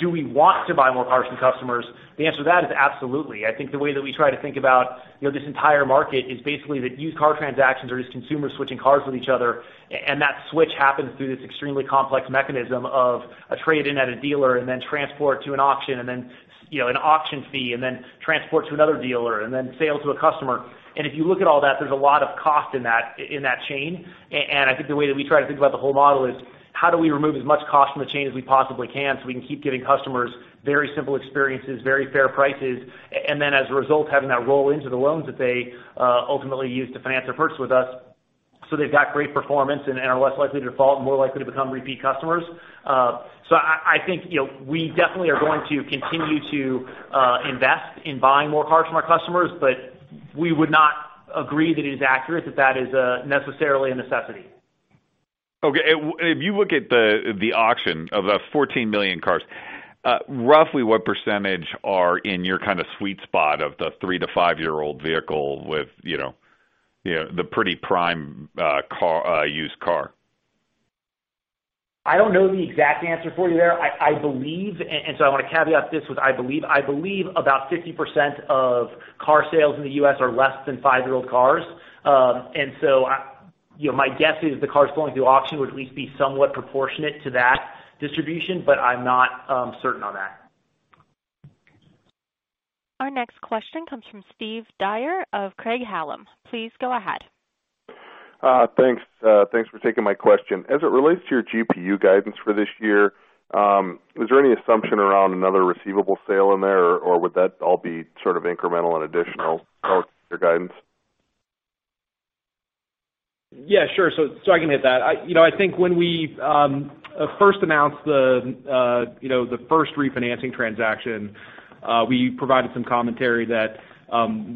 Do we want to buy more cars from customers? The answer to that is absolutely. I think the way that we try to think about this entire market is basically that used car transactions are just consumers switching cars with each other, that switch happens through this extremely complex mechanism of a trade-in at a dealer then transport to an auction, then an auction fee, then transport to another dealer, then sale to a customer. If you look at all that, there's a lot of cost in that chain. I think the way that we try to think about the whole model is how do we remove as much cost from the chain as we possibly can so we can keep giving customers very simple experiences, very fair prices, and then as a result, having that roll into the loans that they ultimately use to finance their purchase with us. They've got great performance and are less likely to default and more likely to become repeat customers. I think we definitely are going to continue to invest in buying more cars from our customers, but we would not agree that it is accurate that is necessarily a necessity. Okay. If you look at the auction of the 14 million cars, roughly what percentage are in your sweet spot of the three to five-year-old vehicle with the pretty prime used car? I don't know the exact answer for you there. I want to caveat this with I believe about 50% of car sales in the U.S. are less than five-year-old cars. My guess is the cars going through auction would at least be somewhat proportionate to that distribution, but I'm not certain on that. Our next question comes from Steve Dyer of Craig-Hallum. Please go ahead. Thanks for taking my question. As it relates to your GPU guidance for this year, is there any assumption around another receivable sale in there, or would that all be incremental and additional to your guidance? Yeah, sure. I can hit that. I think when we first announced the first refinancing transaction, we provided some commentary that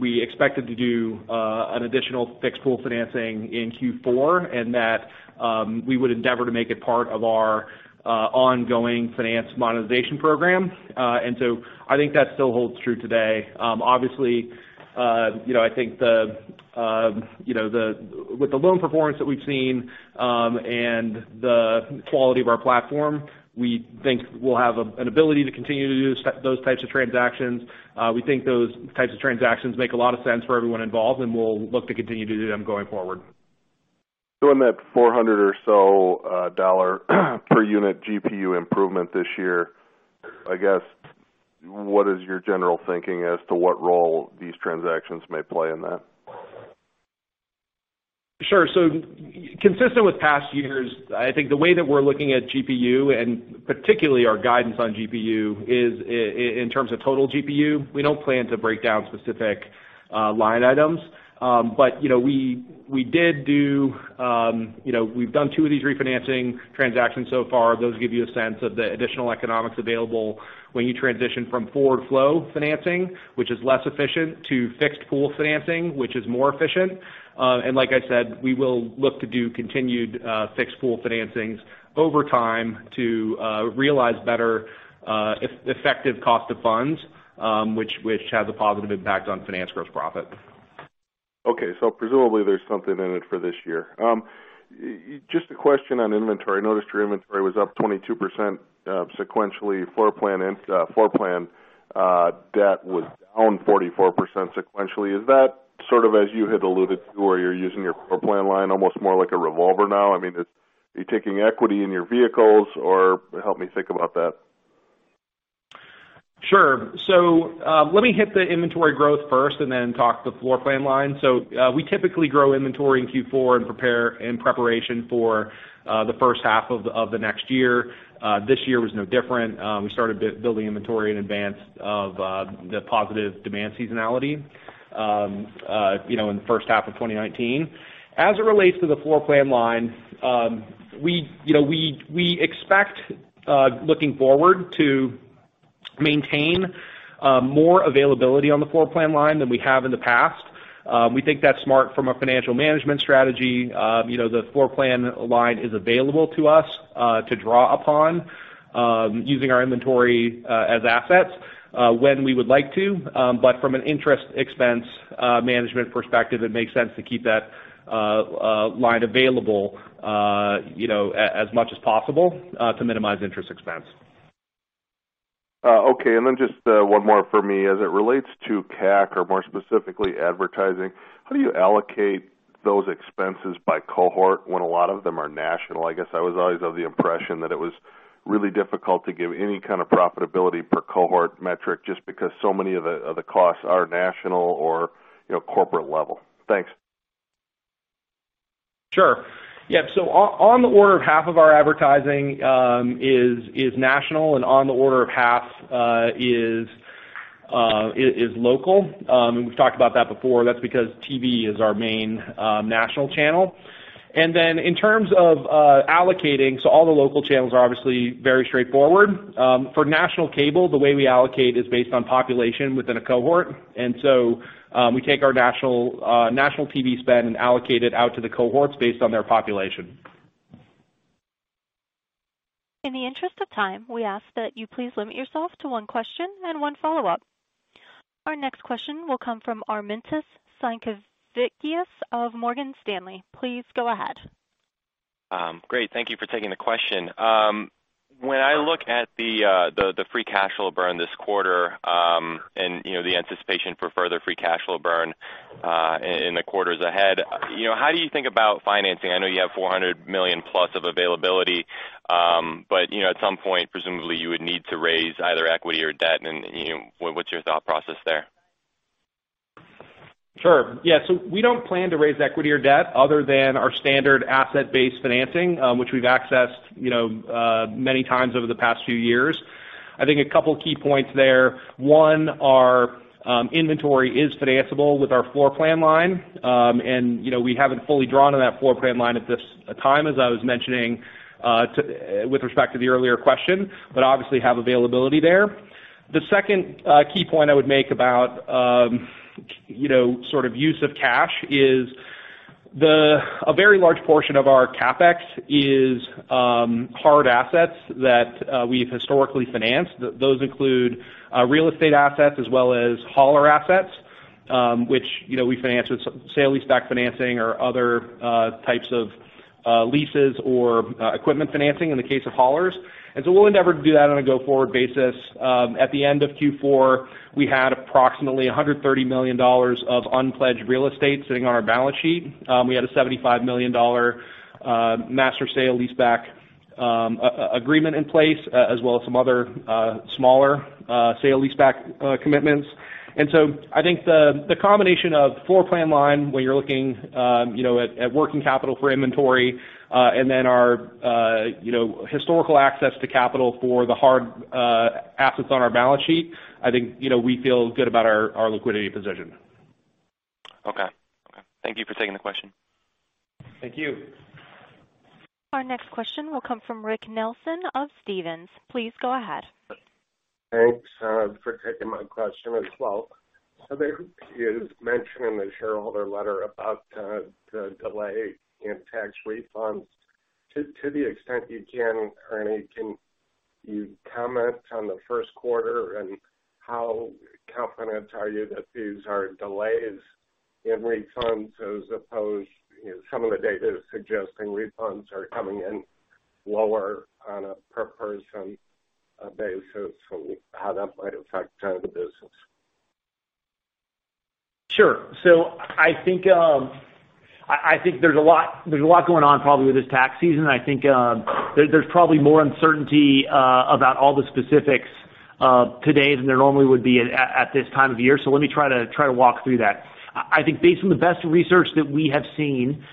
we expected to do an additional fixed pool financing in Q4, and that we would endeavor to make it part of our ongoing finance monetization program. I think that still holds true today. Obviously, I think with the loan performance that we've seen and the quality of our platform, we think we'll have an ability to continue to do those types of transactions. We think those types of transactions make a lot of sense for everyone involved, and we'll look to continue to do them going forward. Doing that $400 or so per unit GPU improvement this year, I guess, what is your general thinking as to what role these transactions may play in that? Sure. Consistent with past years, I think the way that we're looking at GPU, and particularly our guidance on GPU, is in terms of total GPU. We don't plan to break down specific line items. We've done two of these refinancing transactions so far. Those give you a sense of the additional economics available when you transition from forward flow financing, which is less efficient, to fixed pool financing, which is more efficient. Like I said, we will look to do continued fixed pool financings over time to realize better effective cost of funds, which has a positive impact on finance gross profit. Presumably there's something in it for this year. Just a question on inventory. I noticed your inventory was up 22% sequentially. Floorplan debt was down 44% sequentially. Is that sort of as you had alluded to, where you're using your floorplan line almost more like a revolver now? I mean, are you taking equity in your vehicles, or help me think about that. Sure. Let me hit the inventory growth first and then talk the floorplan line. We typically grow inventory in Q4 in preparation for the first half of the next year. This year was no different. We started building inventory in advance of the positive demand seasonality in the first half of 2019. As it relates to the floorplan line, we expect, looking forward, to maintain more availability on the floorplan line than we have in the past. We think that's smart from a financial management strategy. The floorplan line is available to us to draw upon using our inventory as assets when we would like to. From an interest expense management perspective, it makes sense to keep that line available as much as possible to minimize interest expense. Okay, just one more for me. As it relates to CAC or more specifically, advertising, how do you allocate those expenses by cohort when a lot of them are national? I guess I was always of the impression that it was really difficult to give any kind of profitability per cohort metric just because so many of the costs are national or corporate level. Thanks. Sure. Yeah, on the order of half of our advertising is national and on the order of half is local. We've talked about that before. That's because TV is our main national channel. In terms of allocating, all the local channels are obviously very straightforward. For national cable, the way we allocate is based on population within a cohort. We take our national TV spend and allocate it out to the cohorts based on their population. In the interest of time, we ask that you please limit yourself to one question and one follow-up. Our next question will come from Armantas Sinkevicius of Morgan Stanley. Please go ahead. Great. Thank you for taking the question. When I look at the free cash flow burn this quarter, and the anticipation for further free cash flow burn in the quarters ahead, how do you think about financing? I know you have $400 million plus of availability, at some point, presumably you would need to raise either equity or debt, what's your thought process there? Sure. Yeah. We don't plan to raise equity or debt other than our standard asset-based financing, which we've accessed many times over the past few years. I think a couple of key points there. One, our inventory is financeable with our floorplan line. We haven't fully drawn on that floorplan line at this time, as I was mentioning with respect to the earlier question, obviously have availability there. The second key point I would make about use of cash is a very large portion of our CapEx is hard assets that we've historically financed. Those include real estate assets as well as hauler assets, which we finance with sale-leaseback financing or other types of leases or equipment financing in the case of haulers. We'll endeavor to do that on a go-forward basis. At the end of Q4, we had approximately $130 million of unpledged real estate sitting on our balance sheet. We had a $75 million master sale-leaseback agreement in place, as well as some other smaller sale-leaseback commitments. I think the combination of floor plan line when you're looking at working capital for inventory, and then our historical access to capital for the hard assets on our balance sheet, I think we feel good about our liquidity position. Okay. Thank you for taking the question. Thank you. Our next question will come from Rick Nelson of Stephens. Please go ahead. Thanks for taking my question as well. There is mention in the shareholder letter about the delay in tax refunds. To the extent you can, Ernie, can you comment on the first quarter and how confident are you that these are delays in refunds as opposed, some of the data is suggesting refunds are coming in lower on a per person basis, and how that might affect the business. Sure. I think there's a lot going on probably with this tax season. I think there's probably more uncertainty about all the specifics today than there normally would be at this time of year. Let me try to walk through that. I think based on the best research that we have seen,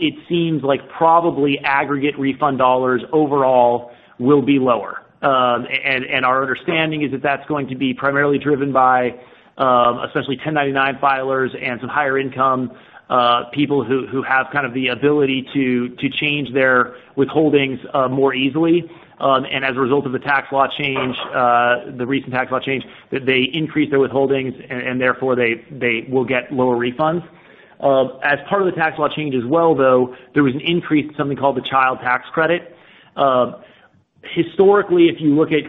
it seems like probably aggregate refund dollars overall will be lower. Our understanding is that that's going to be primarily driven by, especially 1099 filers and some higher income people who have kind of the ability to change their withholdings more easily. As a result of the recent tax law change, they increase their withholdings and therefore they will get lower refunds. As part of the tax law change as well, though, there was an increase to something called the Child Tax Credit. Historically, if you look at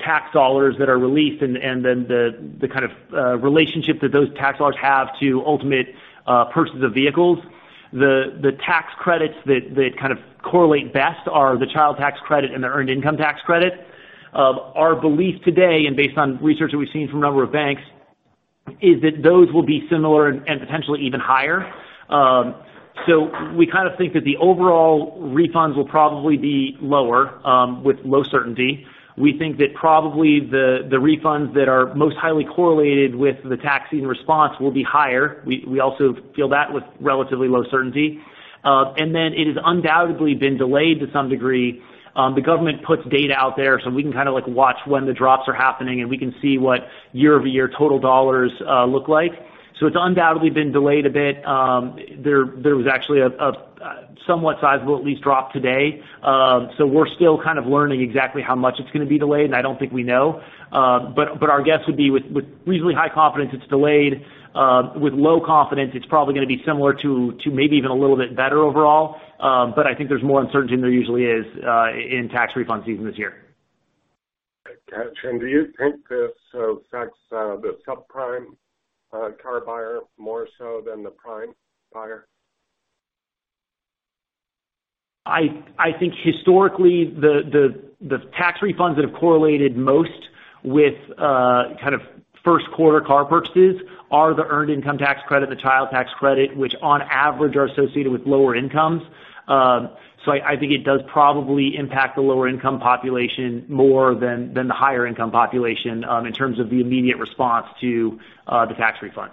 tax dollars that are released and then the kind of relationship that those tax dollars have to ultimate purchases of vehicles, the tax credits that kind of correlate best are the Child Tax Credit and the Earned Income Tax Credit. Our belief today, and based on research that we've seen from a number of banks, is that those will be similar and potentially even higher. We kind of think that the overall refunds will probably be lower with low certainty. We think that probably the refunds that are most highly correlated with the tax season response will be higher. We also feel that with relatively low certainty. Then it has undoubtedly been delayed to some degree. The government puts data out there, so we can kind of watch when the drops are happening, and we can see what year-over-year total dollars look like. It's undoubtedly been delayed a bit. There was actually a somewhat sizable, at least, drop today. We're still kind of learning exactly how much it's going to be delayed, and I don't think we know. Our guess would be with reasonably high confidence it's delayed. With low confidence, it's probably going to be similar to maybe even a little bit better overall. I think there's more uncertainty than there usually is in tax refund season this year. Gotcha. Do you think this affects the subprime car buyer more so than the prime buyer? I think historically, the tax refunds that have correlated most with first quarter car purchases are the Earned Income Tax Credit and the Child Tax Credit, which on average are associated with lower incomes. I think it does probably impact the lower income population more than the higher income population in terms of the immediate response to the tax refund.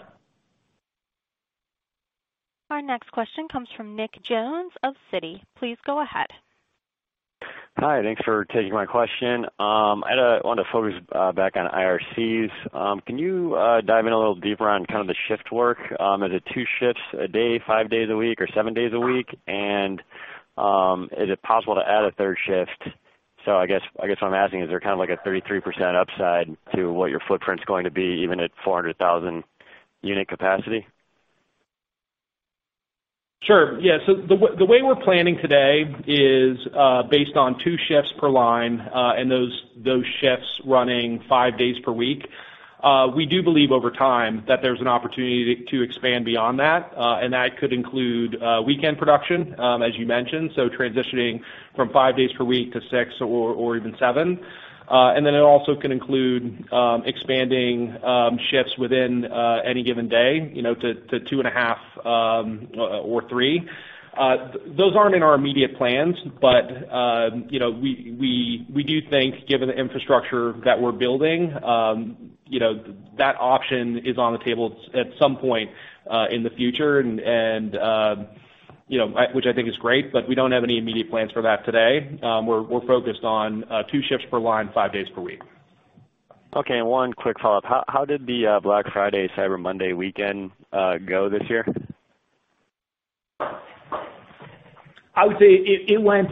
Our next question comes from Nick Jones of Citi. Please go ahead. Hi, thanks for taking my question. I wanted to focus back on IRCs. Can you dive in a little deeper on kind of the shift work? Is it two shifts a day, five days a week or seven days a week? And is it possible to add a third shift? I guess what I'm asking is there kind of like a 33% upside to what your footprint's going to be even at 400,000 unit capacity? Sure. Yeah. The way we're planning today is based on two shifts per line, and those shifts running five days per week. We do believe over time that there's an opportunity to expand beyond that. That could include weekend production, as you mentioned, so transitioning from five days per week to six or even seven. Then it also can include expanding shifts within any given day, to two and a half or three. Those aren't in our immediate plans, but we do think given the infrastructure that we're building, that option is on the table at some point in the future, which I think is great, but we don't have any immediate plans for that today. We're focused on two shifts per line, five days per week. Okay, one quick follow-up. How did the Black Friday/Cyber Monday weekend go this year? I would say it went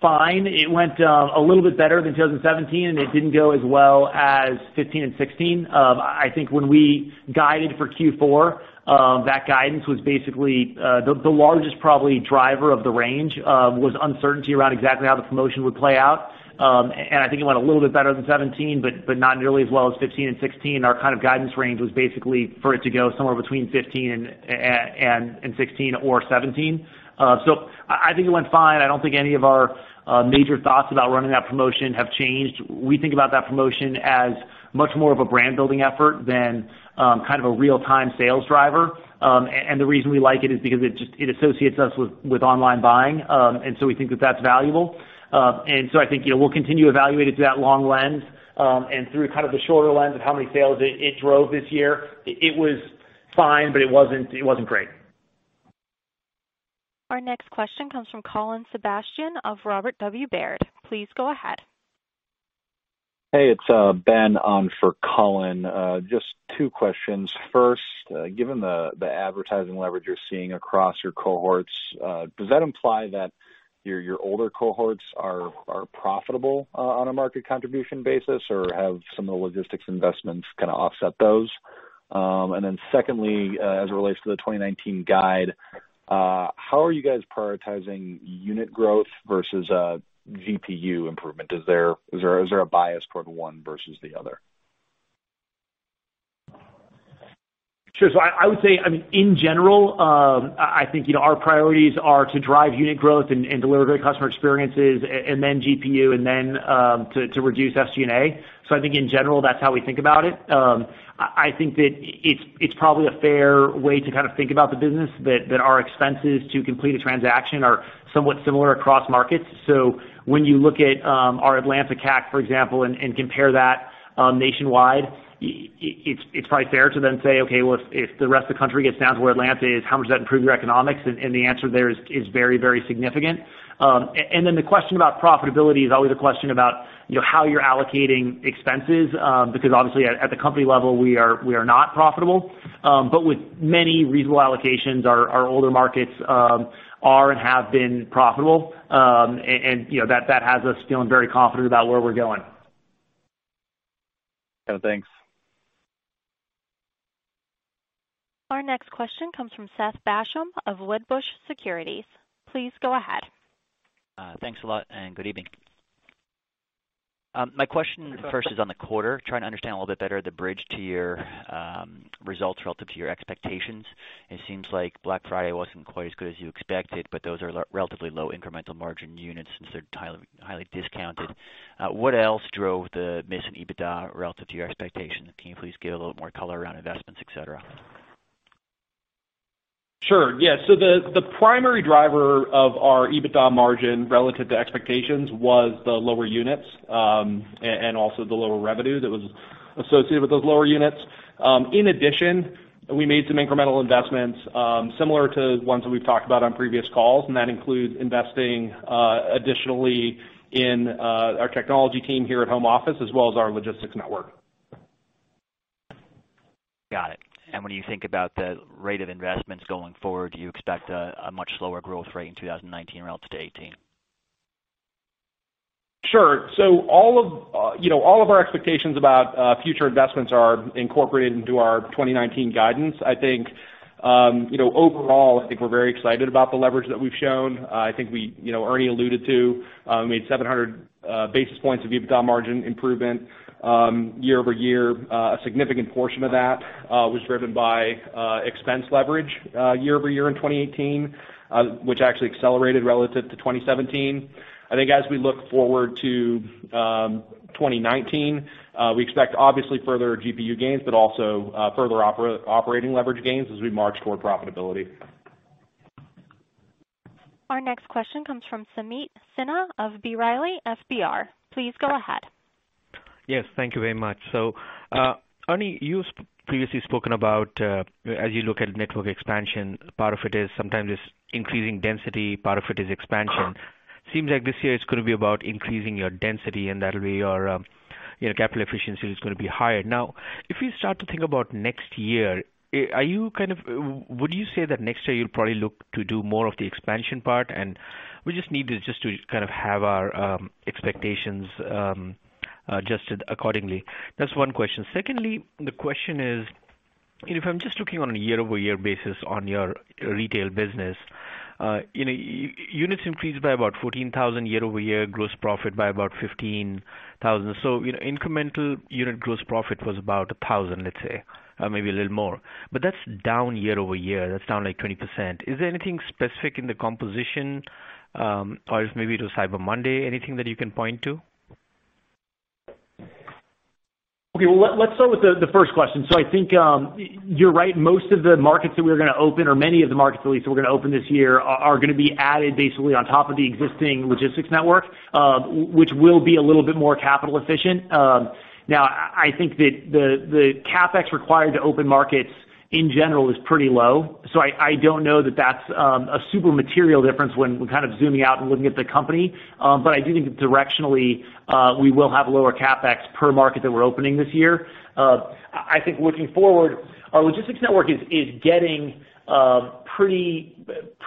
fine. It went a little bit better than 2017, it didn't go as well as 2015 and 2016. I think when we guided for Q4, that guidance was basically the largest, probably, driver of the range, was uncertainty around exactly how the promotion would play out. I think it went a little bit better than 2017, but not nearly as well as 2015 and 2016. Our kind of guidance range was basically for it to go somewhere between 2015 and 2016 or 2017. I think it went fine. I don't think any of our major thoughts about running that promotion have changed. We think about that promotion as much more of a brand-building effort than kind of a real-time sales driver. The reason we like it is because it associates us with online buying, we think that that's valuable. I think we'll continue to evaluate it through that long lens, and through kind of the shorter lens of how many sales it drove this year. It was fine, but it wasn't great. Our next question comes from Colin Sebastian of Robert W. Baird. Please go ahead. Hey, it's Ben on for Colin. Just two questions. First, given the advertising leverage you're seeing across your cohorts, does that imply that your older cohorts are profitable on a market contribution basis, or have some of the logistics investments kind of offset those? Secondly, as it relates to the 2019 guide, how are you guys prioritizing unit growth versus GPU improvement? Is there a bias toward one versus the other? Sure. I would say, in general, I think our priorities are to drive unit growth and deliver great customer experiences and then GPU and then to reduce SG&A. I think in general, that's how we think about it. I think that it's probably a fair way to kind of think about the business, that our expenses to complete a transaction are somewhat similar across markets. When you look at our Atlanta CAC, for example, and compare that nationwide, it's probably fair to then say, okay, well, if the rest of the country gets down to where Atlanta is, how much does that improve your economics? The answer there is very significant. The question about profitability is always a question about how you're allocating expenses, because obviously at the company level, we are not profitable. With many regional allocations, our older markets are and have been profitable. That has us feeling very confident about where we're going. Yeah, thanks. Our next question comes from Seth Basham of Wedbush Securities. Please go ahead. Thanks a lot, good evening. My question first is on the quarter, trying to understand a little bit better the bridge to your results relative to your expectations. It seems like Black Friday wasn't quite as good as you expected, but those are relatively low incremental margin units since they're highly discounted. What else drove the missing EBITDA relative to your expectations? Can you please give a little more color around investments, et cetera? Sure. Yeah. The primary driver of our EBITDA margin relative to expectations was the lower units, also the lower revenue that was associated with those lower units. In addition, we made some incremental investments, similar to ones that we've talked about on previous calls, that includes investing additionally in our technology team here at home office, as well as our logistics network. Got it. When you think about the rate of investments going forward, do you expect a much slower growth rate in 2019 relative to 2018? Sure. All of our expectations about future investments are incorporated into our 2019 guidance. I think overall, I think we're very excited about the leverage that we've shown. I think Ernie alluded to, we made 700 basis points of EBITDA margin improvement year-over-year. A significant portion of that was driven by expense leverage year-over-year in 2018, which actually accelerated relative to 2017. I think as we look forward to 2019, we expect obviously further GPU gains but also further operating leverage gains as we march toward profitability. Our next question comes from Sumeet Sinha of B. Riley FBR. Please go ahead. Yes. Thank you very much. Ernie, you previously spoken about, as you look at network expansion, part of it is sometimes it's increasing density, part of it is expansion. Seems like this year it's going to be about increasing your density, and that way your capital efficiency is going to be higher. If you start to think about next year, would you say that next year you'll probably look to do more of the expansion part? We just need this just to kind of have our expectations adjusted accordingly. That's one question. Secondly, the question is, if I'm just looking on a year-over-year basis on your retail business, units increased by about 14,000 year-over-year, gross profit by about 15,000. Incremental unit gross profit was about 1,000, let's say, or maybe a little more. That's down year-over-year. That's down like 20%. Is there anything specific in the composition, or maybe it was Cyber Monday, anything that you can point to? Okay. Well, let's start with the first question. I think you're right. Most of the markets that we're going to open, or many of the markets, at least, that we're going to open this year are going to be added basically on top of the existing logistics network, which will be a little bit more capital efficient. I think that the CapEx required to open markets in general is pretty low. I don't know that that's a super material difference when we're kind of zooming out and looking at the company. I do think that directionally, we will have lower CapEx per market that we're opening this year. I think looking forward, our logistics network is getting pretty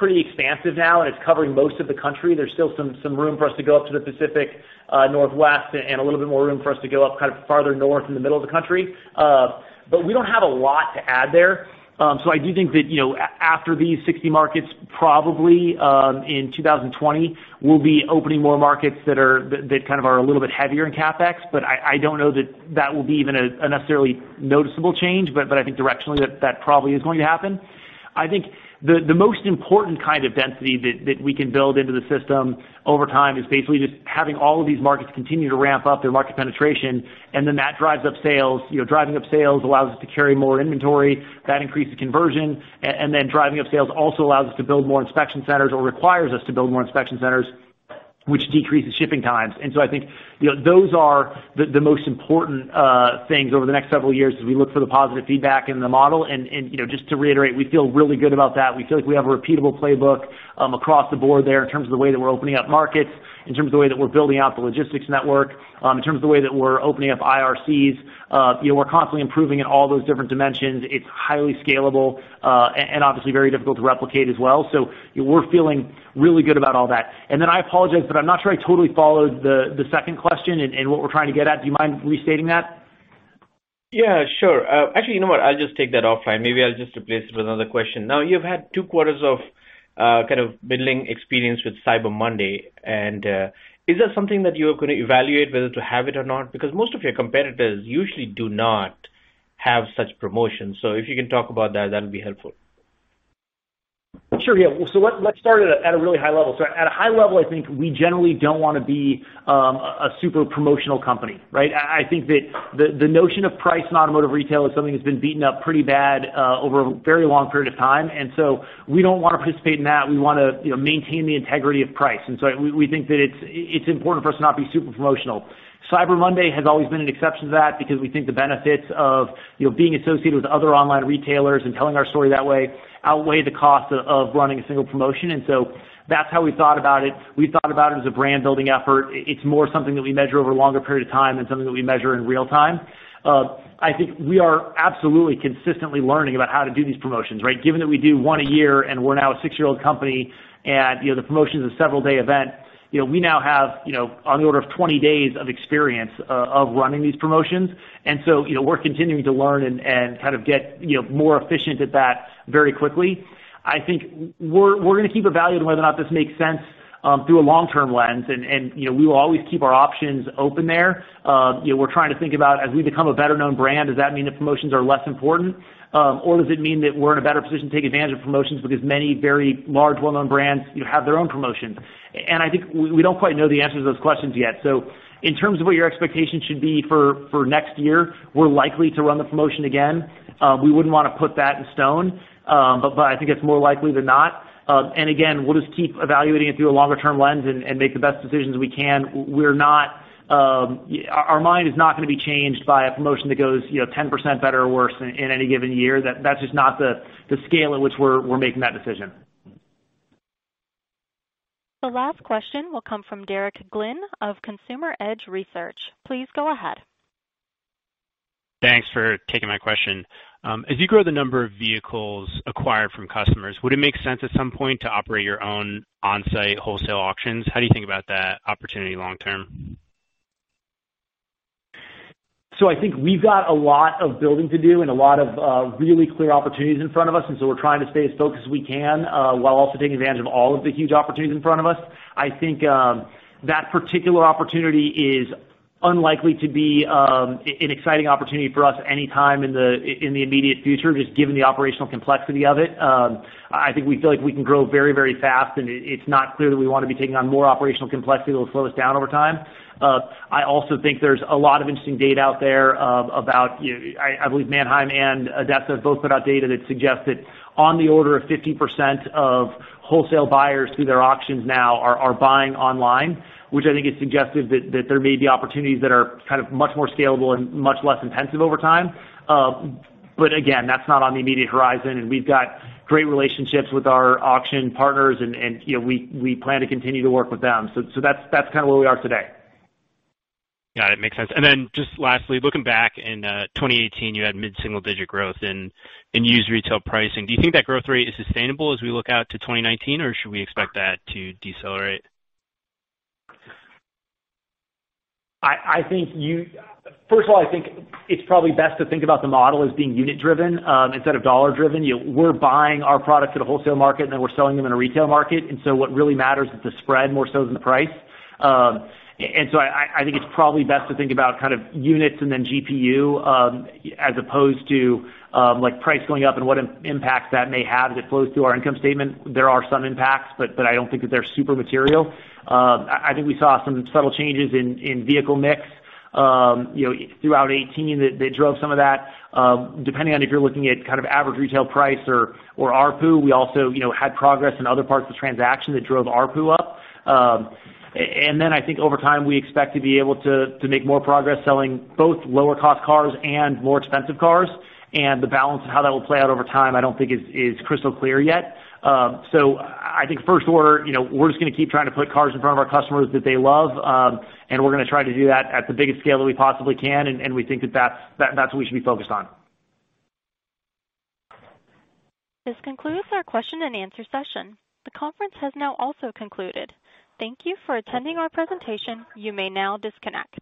expansive now, and it's covering most of the country. There's still some room for us to go up to the Pacific Northwest and a little bit more room for us to go up farther north in the middle of the country. We don't have a lot to add there. I do think that after these 60 markets, probably in 2020, we'll be opening more markets that are a little bit heavier in CapEx. I don't know that that will be even a necessarily noticeable change. I think directionally, that probably is going to happen. I think the most important kind of density that we can build into the system over time is basically just having all of these markets continue to ramp up their market penetration, and then that drives up sales. Driving up sales allows us to carry more inventory. That increases conversion. Driving up sales also allows us to build more inspection centers or requires us to build more inspection centers, which decreases shipping times. I think those are the most important things over the next several years as we look for the positive feedback in the model. Just to reiterate, we feel really good about that. We feel like we have a repeatable playbook across the board there in terms of the way that we're opening up markets, in terms of the way that we're building out the logistics network, in terms of the way that we're opening up IRCs. We're constantly improving in all those different dimensions. It's highly scalable and obviously very difficult to replicate as well. We're feeling really good about all that. I apologize, but I'm not sure I totally followed the second question and what we're trying to get at. Do you mind restating that? Yeah, sure. Actually, you know what? I'll just take that offline. Maybe I'll just replace it with another question. You've had two quarters of middling experience with Cyber Monday. Is that something that you are going to evaluate, whether to have it or not? Because most of your competitors usually do not have such promotions. If you can talk about that'd be helpful. Sure. Yeah. Let's start at a really high level. At a high level, I think we generally don't want to be a super promotional company, right? I think that the notion of price in automotive retail is something that's been beaten up pretty bad over a very long period of time. We don't want to participate in that. We want to maintain the integrity of price. We think that it's important for us to not be super promotional. Cyber Monday has always been an exception to that because we think the benefits of being associated with other online retailers and telling our story that way outweigh the cost of running a single promotion. That's how we thought about it. We thought about it as a brand-building effort. It's more something that we measure over a longer period of time than something that we measure in real time. I think we are absolutely consistently learning about how to do these promotions, right? Given that we do one a year, and we're now a six-year-old company, and the promotion's a several-day event, we now have on the order of 20 days of experience of running these promotions. We're continuing to learn and get more efficient at that very quickly. I think we're going to keep evaluating whether or not this makes sense through a long-term lens, and we will always keep our options open there. We're trying to think about, as we become a better-known brand, does that mean that promotions are less important? Does it mean that we're in a better position to take advantage of promotions because many very large, well-known brands have their own promotions? I think we don't quite know the answers to those questions yet. In terms of what your expectations should be for next year, we're likely to run the promotion again. We wouldn't want to put that in stone. I think it's more likely than not. Again, we'll just keep evaluating it through a longer-term lens and make the best decisions we can. Our mind is not going to be changed by a promotion that goes 10% better or worse in any given year. That's just not the scale at which we're making that decision. The last question will come from Derek Glynn of Consumer Edge Research. Please go ahead. Thanks for taking my question. As you grow the number of vehicles acquired from customers, would it make sense at some point to operate your own on-site wholesale auctions? How do you think about that opportunity long term? I think we've got a lot of building to do and a lot of really clear opportunities in front of us, we're trying to stay as focused as we can while also taking advantage of all of the huge opportunities in front of us. I think that particular opportunity is unlikely to be an exciting opportunity for us anytime in the immediate future, just given the operational complexity of it. I think we feel like we can grow very fast, it's not clear that we want to be taking on more operational complexity that will slow us down over time. I also think there's a lot of interesting data out there about, I believe Manheim and ADESA have both put out data that suggests that on the order of 50% of wholesale buyers through their auctions now are buying online, which I think is suggestive that there may be opportunities that are much more scalable and much less intensive over time. Again, that's not on the immediate horizon, we've got great relationships with our auction partners, and we plan to continue to work with them. That's where we are today. Got it. Makes sense. Just lastly, looking back in 2018, you had mid-single-digit growth in used retail pricing. Do you think that growth rate is sustainable as we look out to 2019, or should we expect that to decelerate? First of all, I think it's probably best to think about the model as being unit-driven instead of dollar-driven. We're buying our product at a wholesale market, we're selling them in a retail market. What really matters is the spread more so than the price. I think it's probably best to think about units and then GPU as opposed to price going up and what impact that may have as it flows through our income statement. There are some impacts, I don't think that they're super material. I think we saw some subtle changes in vehicle mix throughout 2018 that drove some of that. Depending on if you're looking at average retail price or ARPU, we also had progress in other parts of the transaction that drove ARPU up. I think over time, we expect to be able to make more progress selling both lower-cost cars and more expensive cars. The balance of how that will play out over time I don't think is crystal clear yet. I think first order, we're just going to keep trying to put cars in front of our customers that they love, we're going to try to do that at the biggest scale that we possibly can, we think that that's what we should be focused on. This concludes our question-and-answer session. The conference has now also concluded. Thank you for attending our presentation. You may now disconnect.